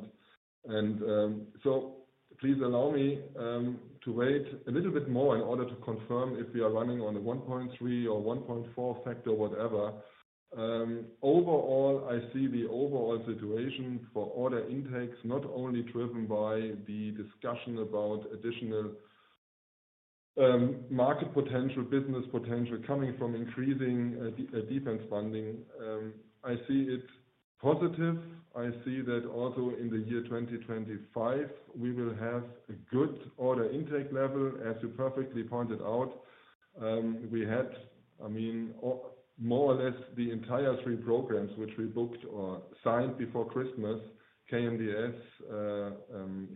Please allow me to wait a little bit more in order to confirm if we are running on a 1.3 or 1.4 factor, whatever. Overall, I see the overall situation for order intakes not only driven by the discussion about additional market potential, business potential coming from increasing defense funding. I see it positive. I see that also in the year 2025, we will have a good order intake level, as you perfectly pointed out. I mean, more or less the entire three programs which we booked or signed before Christmas KNDS,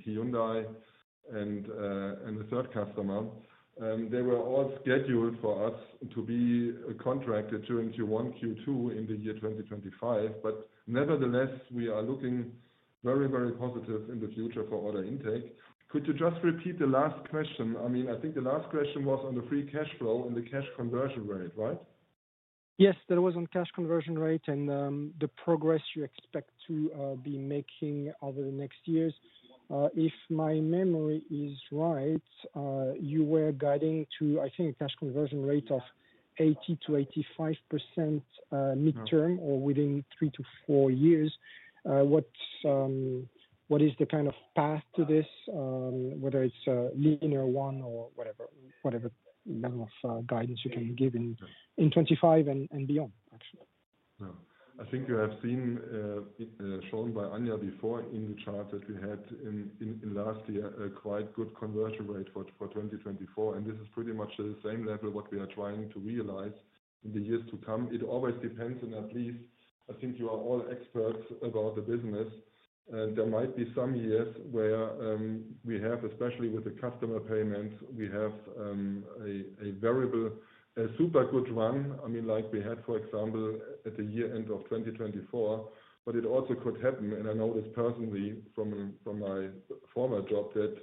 Hyundai, and a third customer. They were all scheduled for us to be contracted during Q1, Q2 in the year 2025. Nevertheless, we are looking very, very positive in the future for order intake. Could you just repeat the last question? I mean, I think the last question was on the free cash flow and the cash conversion rate, right? Yes, that was on cash conversion rate and the progress you expect to be making over the next years. If my memory is right, you were guiding to, I think, a cash conversion rate of 80-85% midterm or within three to four years. What is the kind of path to this, whether it's a linear one or whatever level of guidance you can give in 2025 and beyond, actually? I think you have seen shown by Anja before in the chart that we had in last year a quite good conversion rate for 2024. This is pretty much the same level what we are trying to realize in the years to come. It always depends on at least, I think you are all experts about the business. There might be some years where we have, especially with the customer payments, we have a super good run. I mean, like we had, for example, at the year end of 2024. It also could happen, and I know this personally from my former job, that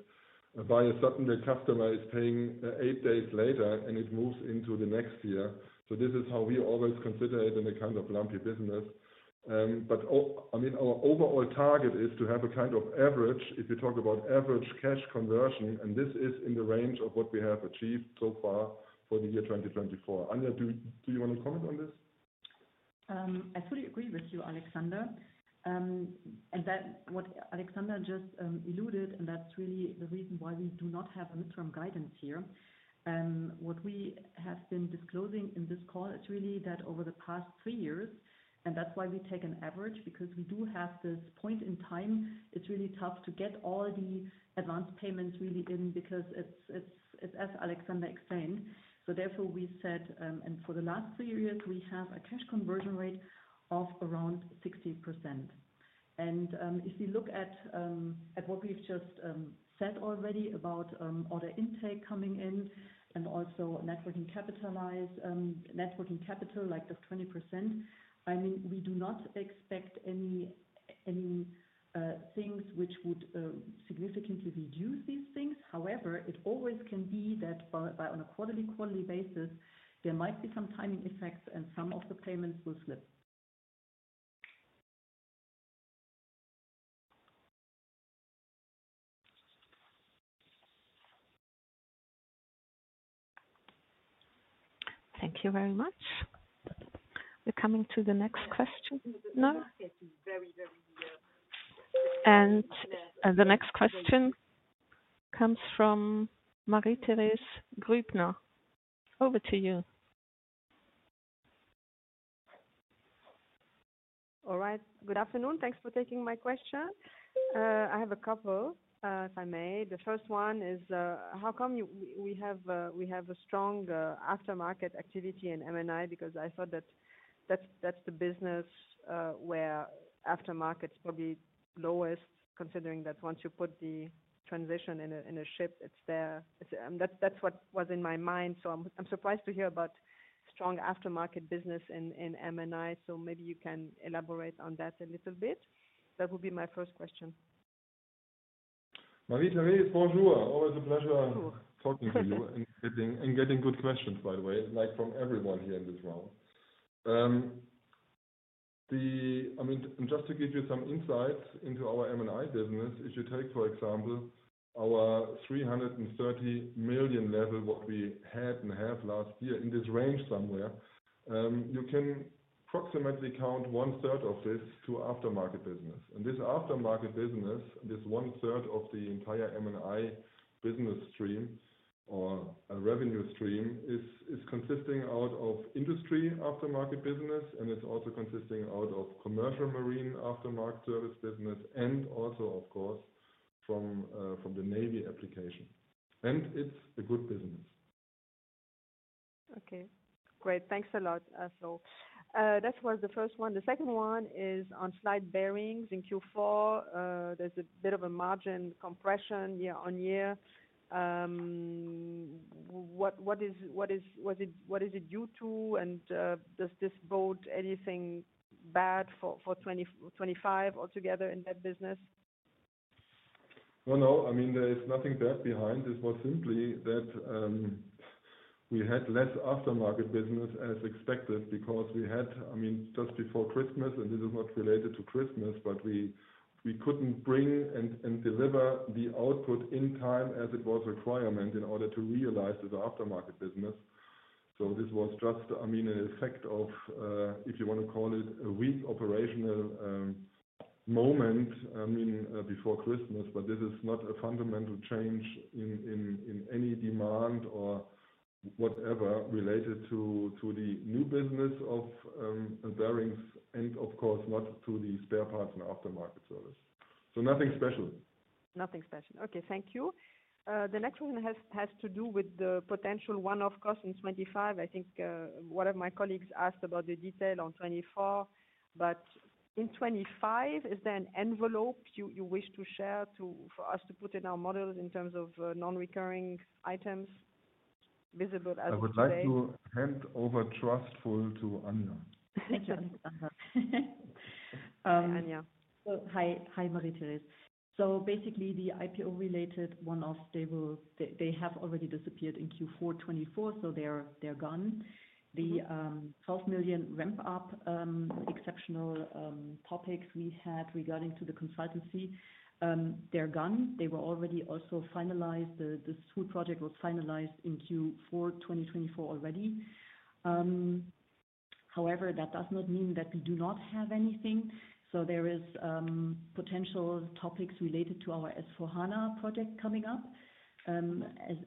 by a certain customer is paying eight days later and it moves into the next year. This is how we always consider it in a kind of lumpy business. I mean, our overall target is to have a kind of average, if you talk about average cash conversion, and this is in the range of what we have achieved so far for the year 2024. Anja, do you want to comment on this? I fully agree with you, Alexander. What Alexander just alluded, and that's really the reason why we do not have a midterm guidance here. What we have been disclosing in this call is really that over the past three years, and that's why we take an average, because we do have this point in time. It's really tough to get all the advance payments really in because it's, as Alexander explained. Therefore, we said, and for the last three years, we have a cash conversion rate of around 60%. If you look at what we've just said already about order intake coming in and also networking capitalized, networking capital like the 20%, I mean, we do not expect any things which would significantly reduce these things. However, it always can be that on a quarterly, quarterly basis, there might be some timing effects and some of the payments will slip. Thank you very much. We're coming to the next question. The next question comes from Marie-Thérèse Grübner. Over to you. All right. Good afternoon. Thanks for taking my question. I have a couple, if I may. The first one is how come we have a strong aftermarket activity in M&I? Because I thought that that's the business where aftermarket's probably lowest, considering that once you put the transition in a ship, it's there. That's what was in my mind. I'm surprised to hear about strong aftermarket business in M&I. Maybe you can elaborate on that a little bit. That would be my first question. Marie-Thérèse, bonjour. Always a pleasure talking to you and getting good questions, by the way, from everyone here in this room. I mean, just to give you some insights into our M&I business, if you take, for example, our 330 million level, what we had and have last year in this range somewhere, you can approximately count one-third of this to aftermarket business. This aftermarket business, this one-third of the entire M&I business stream or revenue stream, is consisting out of industry aftermarket business, and it's also consisting out of commercial marine aftermarket service business, and also, of course, from the Navy application. It's a good business. Okay. Great. Thanks a lot. That was the first one. The second one is on slide bearings in Q4. There's a bit of a margin compression year on year. What is it due to? Does this bode anything bad for 2025 altogether in that business? No, no. I mean, there is nothing bad behind. It's more simply that we had less aftermarket business as expected because we had, I mean, just before Christmas, and this is not related to Christmas, but we couldn't bring and deliver the output in time as it was required in order to realize the aftermarket business. This was just, I mean, an effect of, if you want to call it a weak operational moment, I mean, before Christmas, but this is not a fundamental change in any demand or whatever related to the new business of bearings, and of course, not to the spare parts and aftermarket service. Nothing special. Nothing special. Okay. Thank you. The next one has to do with the potential one-off cost in 2025. I think one of my colleagues asked about the detail on 2024, but in 2025, is there an envelope you wish to share for us to put in our models in terms of non-recurring items visible as a? I would like to hand over trustful to Anja. Thank you, Alexander. Anja. Hi, Marie-Thérèse. Basically, the IPO-related one-off, they have already disappeared in Q4 2024, so they're gone. The 12 million ramp-up exceptional topics we had regarding the consultancy, they're gone. They were already also finalized. This whole project was finalized in Q4 2024 already. However, that does not mean that we do not have anything. There are potential topics related to our S/4 HANA project coming up.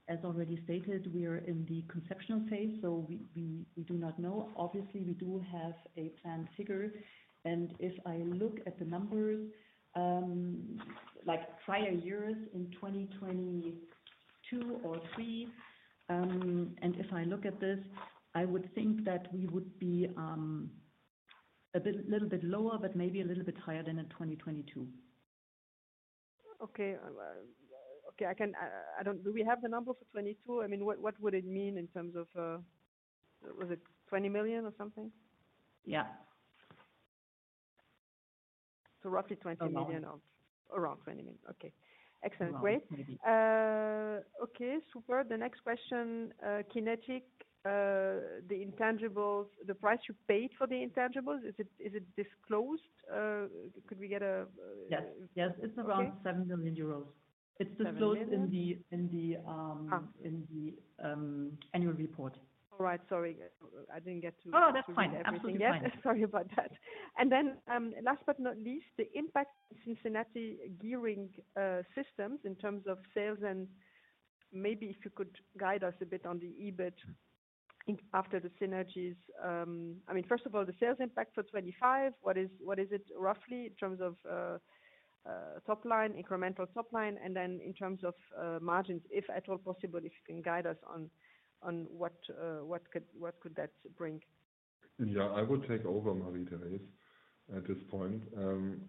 As already stated, we are in the conceptual phase, so we do not know. Obviously, we do have a planned figure. If I look at the numbers like prior years in 2022 or 2023, and if I look at this, I would think that we would be a little bit lower, but maybe a little bit higher than in 2022. Okay. Okay. Do we have the numbers for 2022? I mean, what would it mean in terms of was it 20 million or something? Yeah. So roughly 20 million, around 20 million. Okay. Excellent. Great. Okay. Super. The next question, Kinetic, the intangibles, the price you paid for the intangibles, is it disclosed? Could we get a? Yes. Yes. It is around 7 million euros. It is disclosed in the annual report. All right. Sorry. I did not get to. Oh, that is fine. Everything is fine. Sorry about that. Last but not least, the impact since Cincinnati Gearing Systems in terms of sales and maybe if you could guide us a bit on the EBIT after the synergies. I mean, first of all, the sales impact for 2025, what is it roughly in terms of top line, incremental top line, and then in terms of margins, if at all possible, if you can guide us on what could that bring? Yeah. I would take over, Marie-Thérèse, at this point.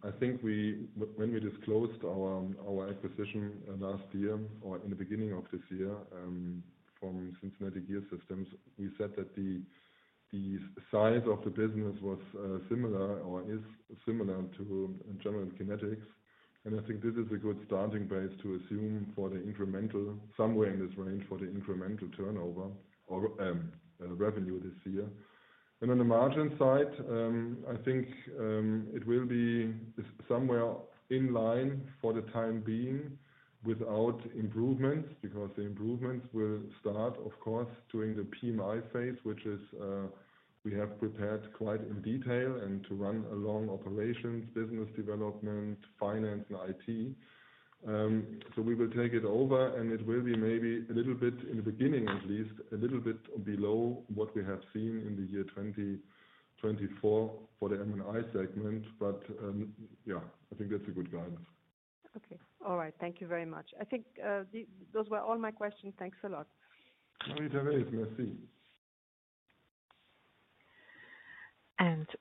I think when we disclosed our acquisition last year or in the beginning of this year from Cincinnati Gearing Systems, we said that the size of the business was similar or is similar to General Kinetics. I think this is a good starting base to assume for the incremental somewhere in this range for the incremental turnover or revenue this year. On the margin side, I think it will be somewhere in line for the time being without improvements because the improvements will start, of course, during the PMI phase, which we have prepared quite in detail and to run along operations, business development, finance, and IT. We will take it over, and it will be maybe a little bit in the beginning, at least a little bit below what we have seen in the year 2024 for the M&I segment. I think that's a good guidance. Okay. All right. Thank you very much. I think those were all my questions. Thanks a lot. Marie-Thérèse, merci.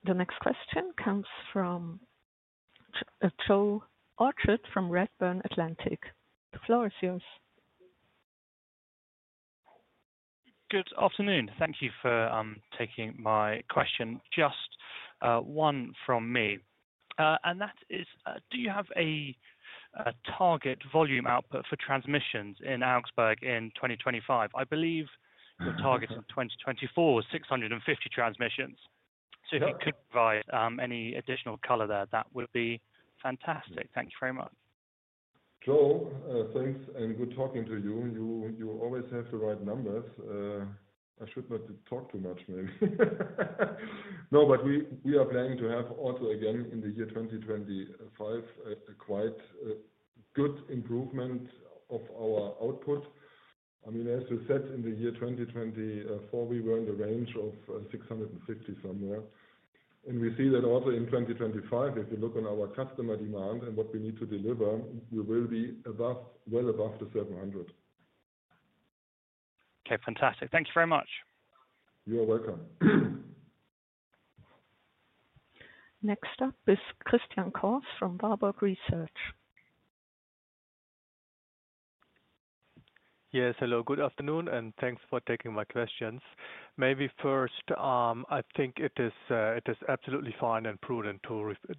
The next question comes from Joe Orchard from Redburn Atlantic. The floor is yours. Good afternoon. Thank you for taking my question. Just one from me. Do you have a target volume output for transmissions in Augsburg in 2025? I believe your target in 2024 was 650 transmissions. If you could provide any additional color there, that would be fantastic. Thank you very much. Joe, thanks. Good talking to you. You always have the right numbers. I should not talk too much, maybe. No, we are planning to have also again in the year 2025 a quite good improvement of our output. I mean, as we said, in the year 2024, we were in the range of 650 somewhere. We see that also in 2025, if you look on our customer demand and what we need to deliver, we will be well above the 700. Okay. Fantastic. Thank you very much. You're welcome. Next up is Christian Cohrs from Warburg Research. Yes. Hello. Good afternoon, and thanks for taking my questions. Maybe first, I think it is absolutely fine and prudent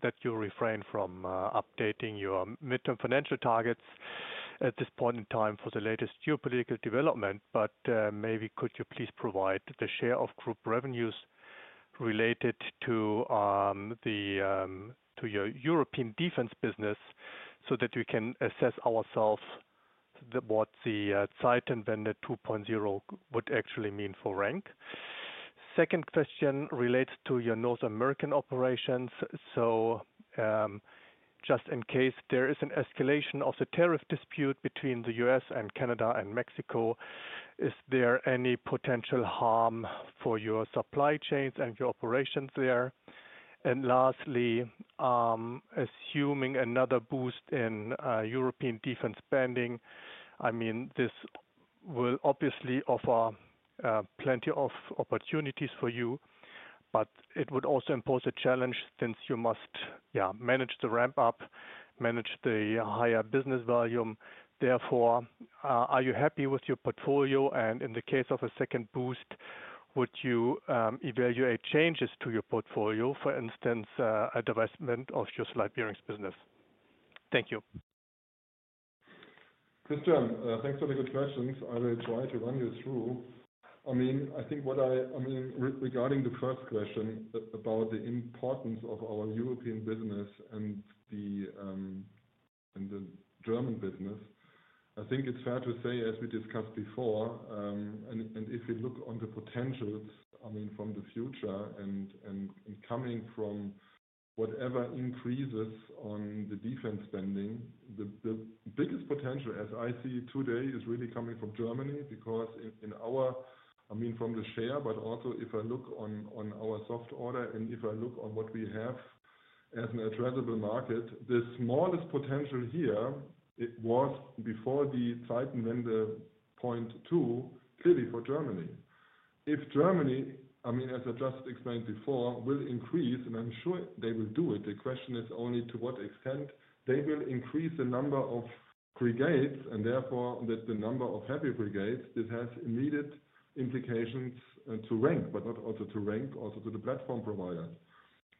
that you refrain from updating your midterm financial targets at this point in time for the latest geopolitical development. Could you please provide the share of group revenues related to your European defense business so that we can assess ourselves what the Zeitenwende 2.0 would actually mean for RENK? Second question relates to your North American operations. Just in case there is an escalation of the tariff dispute between the U.S. and Canada and Mexico, is there any potential harm for your supply chains and your operations there? Lastly, assuming another boost in European defense spending, I mean, this will obviously offer plenty of opportunities for you, but it would also impose a challenge since you must, yeah, manage the ramp-up, manage the higher business volume. Therefore, are you happy with your portfolio? In the case of a second boost, would you evaluate changes to your portfolio, for instance, advancement of your slide bearings business? Thank you. Christian, thanks for the good questions. I will try to run you through. I mean, I think what I, I mean, regarding the first question about the importance of our European business and the German business, I think it's fair to say, as we discussed before, and if you look on the potentials, I mean, from the future and coming from whatever increases on the defense spending, the biggest potential, as I see it today, is really coming from Germany because in our, I mean, from the share, but also if I look on our soft order and if I look on what we have as an addressable market, the smallest potential here was before the Zeitenwende 0.2, clearly for Germany. If Germany, I mean, as I just explained before, will increase, and I'm sure they will do it, the question is only to what extent they will increase the number of brigades and therefore the number of heavy brigades, this has immediate implications to RENK, but not also to RENK also to the platform providers.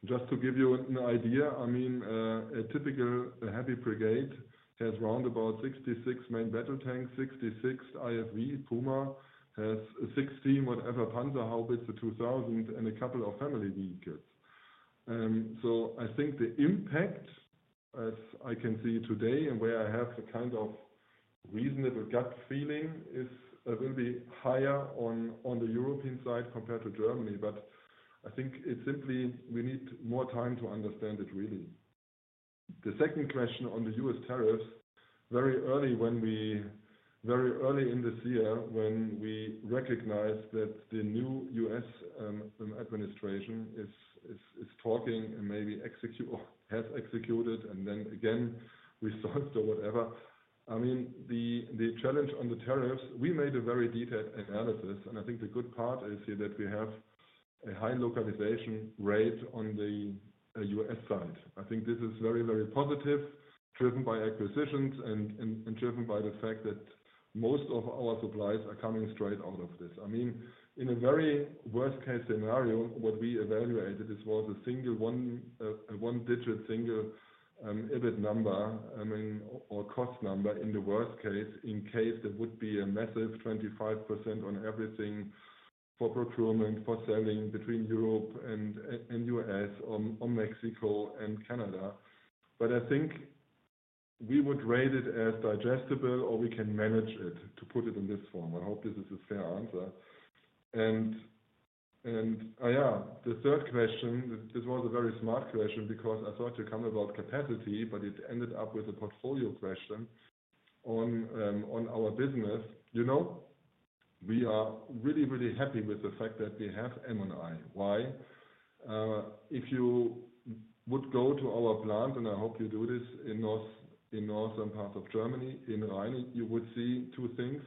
Just to give you an idea, I mean, a typical heavy brigade has roundabout 66 main battle tanks, 66 IFV, Puma, has 60 whatever Panzerhaubitze 2000, and a couple of family vehicles. I think the impact, as I can see today, and where I have a kind of reasonable gut feeling, is it will be higher on the European side compared to Germany, but I think it's simply we need more time to understand it really. The second question on the US tariffs, very early this year, when we recognized that the new US administration is talking and maybe has executed, and then again, we stopped or whatever. I mean, the challenge on the tariffs, we made a very detailed analysis, and I think the good part is here that we have a high localization rate on the US side. I think this is very, very positive, driven by acquisitions and driven by the fact that most of our supplies are coming straight out of this. I mean, in a very worst case scenario, what we evaluated was a single one-digit single EBIT number, I mean, or cost number in the worst case in case there would be a massive 25% on everything for procurement, for selling between Europe and US or Mexico and Canada. I think we would rate it as digestible or we can manage it to put it in this form. I hope this is a fair answer. Yeah, the third question, this was a very smart question because I thought you come about capacity, but it ended up with a portfolio question on our business. We are really, really happy with the fact that we have M&I. Why? If you would go to our plant, and I hope you do this in northern parts of Germany, in Rheine, you would see two things,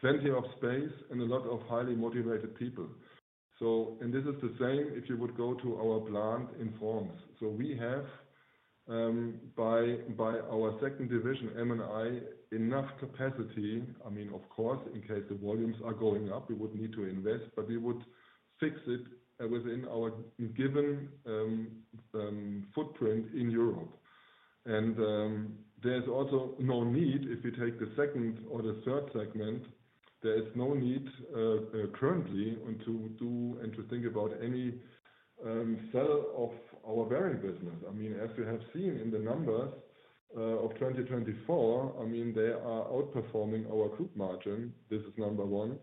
plenty of space and a lot of highly motivated people. This is the same if you would go to our plant in France. We have, by our second division, M&I, enough capacity. I mean, of course, in case the volumes are going up, we would need to invest, but we would fix it within our given footprint in Europe. There is also no need if we take the second or the third segment, there is no need currently to do and to think about any sale of our bearing business. I mean, as you have seen in the numbers of 2024, I mean, they are outperforming our group margin. This is number one.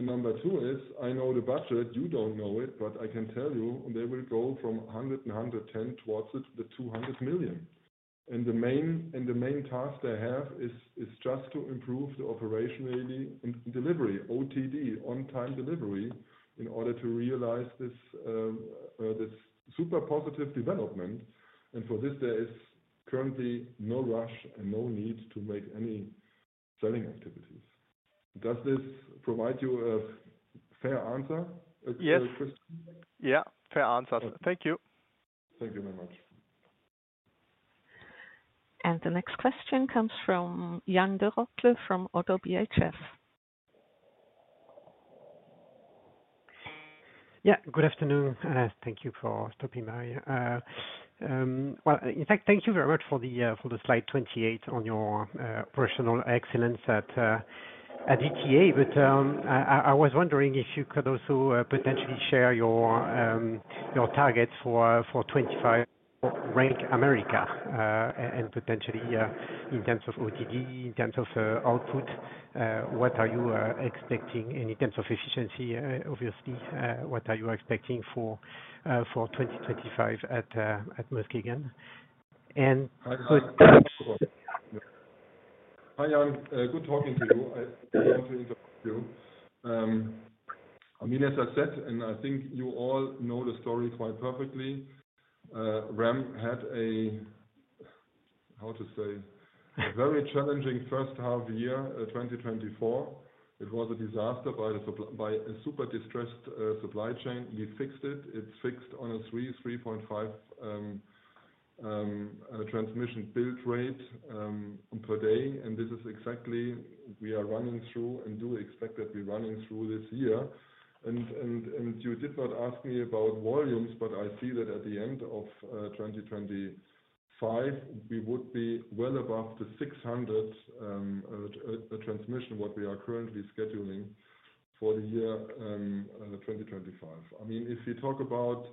Number two is, I know the budget, you do not know it, but I can tell you they will go from 109 to 110 towards 200 million. The main task they have is just to improve the operationally delivery, OTD, on-time delivery in order to realize this super positive development. For this, there is currently no rush and no need to make any selling activities. Does this provide you a fair answer? Yes. Yeah. Fair answers. Thank you. Thank you very much. The next question comes from Yan Derocles from ODDO BHF. Yeah. Good afternoon. Thank you for stopping me. In fact, thank you very much for the slide 28 on your personal excellence at ETA. I was wondering if you could also potentially share your targets for 2025 RENK America and potentially in terms of OTD, in terms of output, what are you expecting? In terms of efficiency, obviously, what are you expecting for 2025 at Muskegon? Good. Hi, Yan. Good talking to you. I want to interrupt you. I mean, as I said, and I think you all know the story quite perfectly, RAM had a, how to say, a very challenging first half year 2024. It was a disaster by a super distressed supply chain. We fixed it. It's fixed on a 3, 3.5 transmission build rate per day. This is exactly we are running through and do expect that we're running through this year. You did not ask me about volumes, but I see that at the end of 2025, we would be well above the 600 transmission what we are currently scheduling for the year 2025. I mean, if you talk about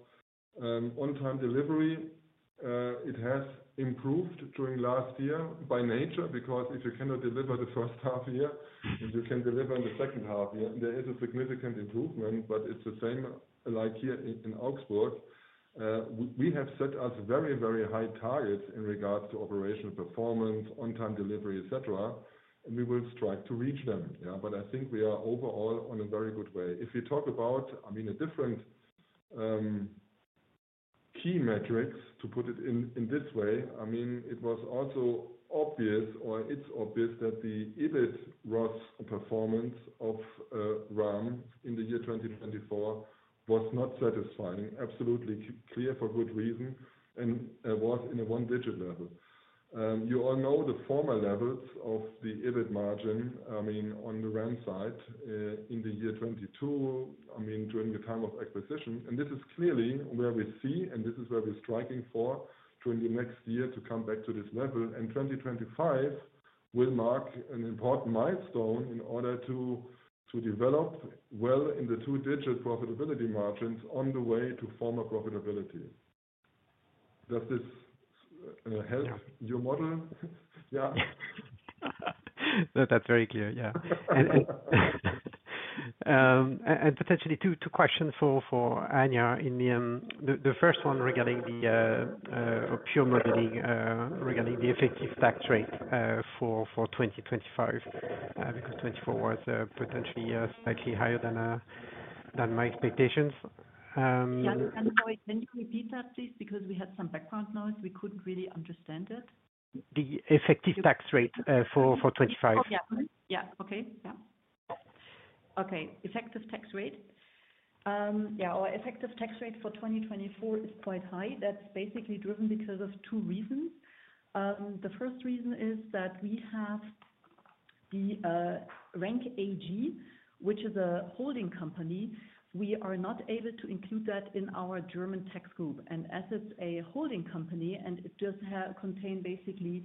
on-time delivery, it has improved during last year by nature because if you cannot deliver the first half year, you can deliver in the second half year. There is a significant improvement, but it's the same like here in Augsburg. We have set us very, very high targets in regards to operational performance, on-time delivery, etc. We will strive to reach them. Yeah. I think we are overall on a very good way. If you talk about, I mean, a different key metrics to put it in this way, I mean, it was also obvious or it's obvious that the EBIT ROS performance of RAM in the year 2024 was not satisfying, absolutely clear for good reason, and was in a one-digit level. You all know the former levels of the EBIT margin, I mean, on the RAM side in the year 2022, I mean, during the time of acquisition. This is clearly where we see, and this is where we're striking for during the next year to come back to this level. 2025 will mark an important milestone in order to develop well in the two-digit profitability margins on the way to former profitability. Does this help your model? Yeah. That's very clear. Yeah. Potentially two questions for Anja. The first one regarding the pure modeling regarding the effective tax rate for 2025 because 2024 was potentially slightly higher than my expectations. Can you repeat that, please? Because we had some background noise. We could not really understand it. The effective tax rate for 2025. Oh, yeah. Yeah. Okay. Yeah. Okay. Effective tax rate. Yeah. Our effective tax rate for 2024 is quite high. That is basically driven because of two reasons. The first reason is that we have the RENK AG, which is a holding company. We are not able to include that in our German tax group. And as it is a holding company, and it does contain basically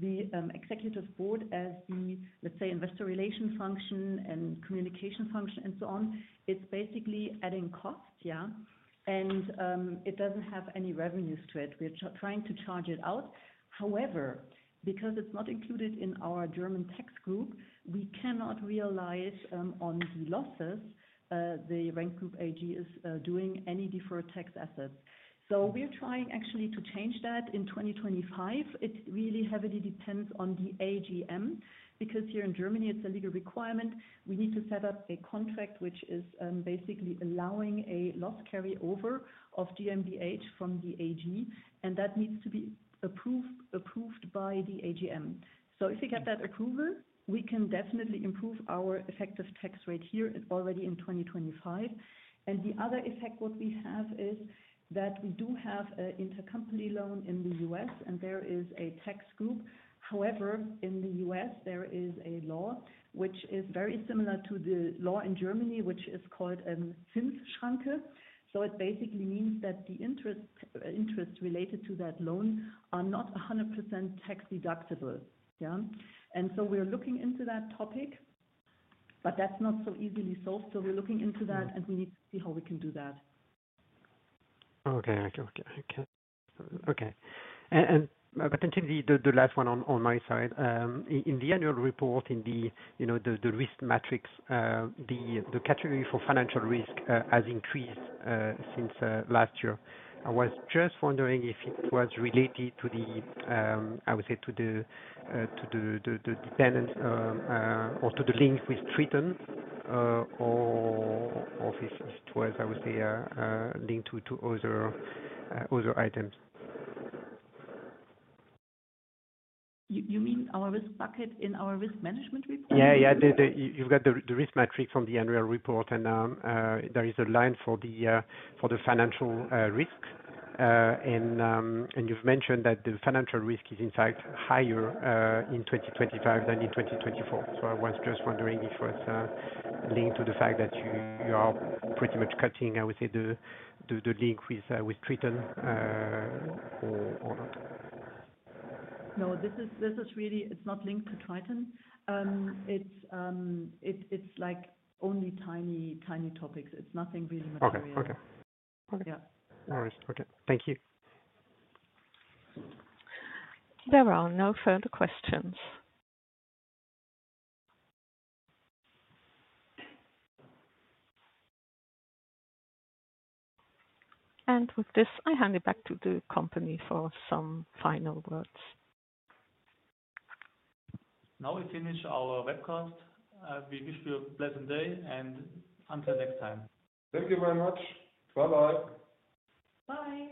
the executive board as the, let's say, investor relation function and communication function and so on, it is basically adding cost, yeah, and it does not have any revenues to it. We are trying to charge it out. However, because it's not included in our German tax group, we cannot realize on the losses the RENK Group AG is doing any deferred tax assets. We're trying actually to change that in 2025. It really heavily depends on the AGM because here in Germany, it's a legal requirement. We need to set up a contract which is basically allowing a loss carryover of GmbH from the AG, and that needs to be approved by the AGM. If we get that approval, we can definitely improve our effective tax rate here already in 2025. The other effect what we have is that we do have an intercompany loan in the US, and there is a tax group. However, in the US, there is a law which is very similar to the law in Germany, which is called a Zinsschranke. It basically means that the interest related to that loan are not 100% tax deductible. Yeah. We are looking into that topic, but that's not so easily solved. We are looking into that, and we need to see how we can do that. Okay. Okay. Okay. Potentially the last one on my side. In the annual report, in the risk matrix, the category for financial risk has increased since last year. I was just wondering if it was related to the, I would say, to the dependence or to the link with Triton or if it was, I would say, linked to other items. You mean our risk bucket in our risk management report? Yeah. Yeah. You have the risk matrix on the annual report, and there is a line for the financial risk. You mentioned that the financial risk is in fact higher in 2025 than in 2024. I was just wondering if it was linked to the fact that you are pretty much cutting, I would say, the link with Triton or not. No, this is really not linked to Triton. It is only tiny topics. It is nothing really material. Okay. All right. Okay. Thank you. There are no further questions. With this, I hand it back to the company for some final words. Now we finish our webcast. We wish you a pleasant day, and until next time. Thank you very much. Bye-bye. Bye.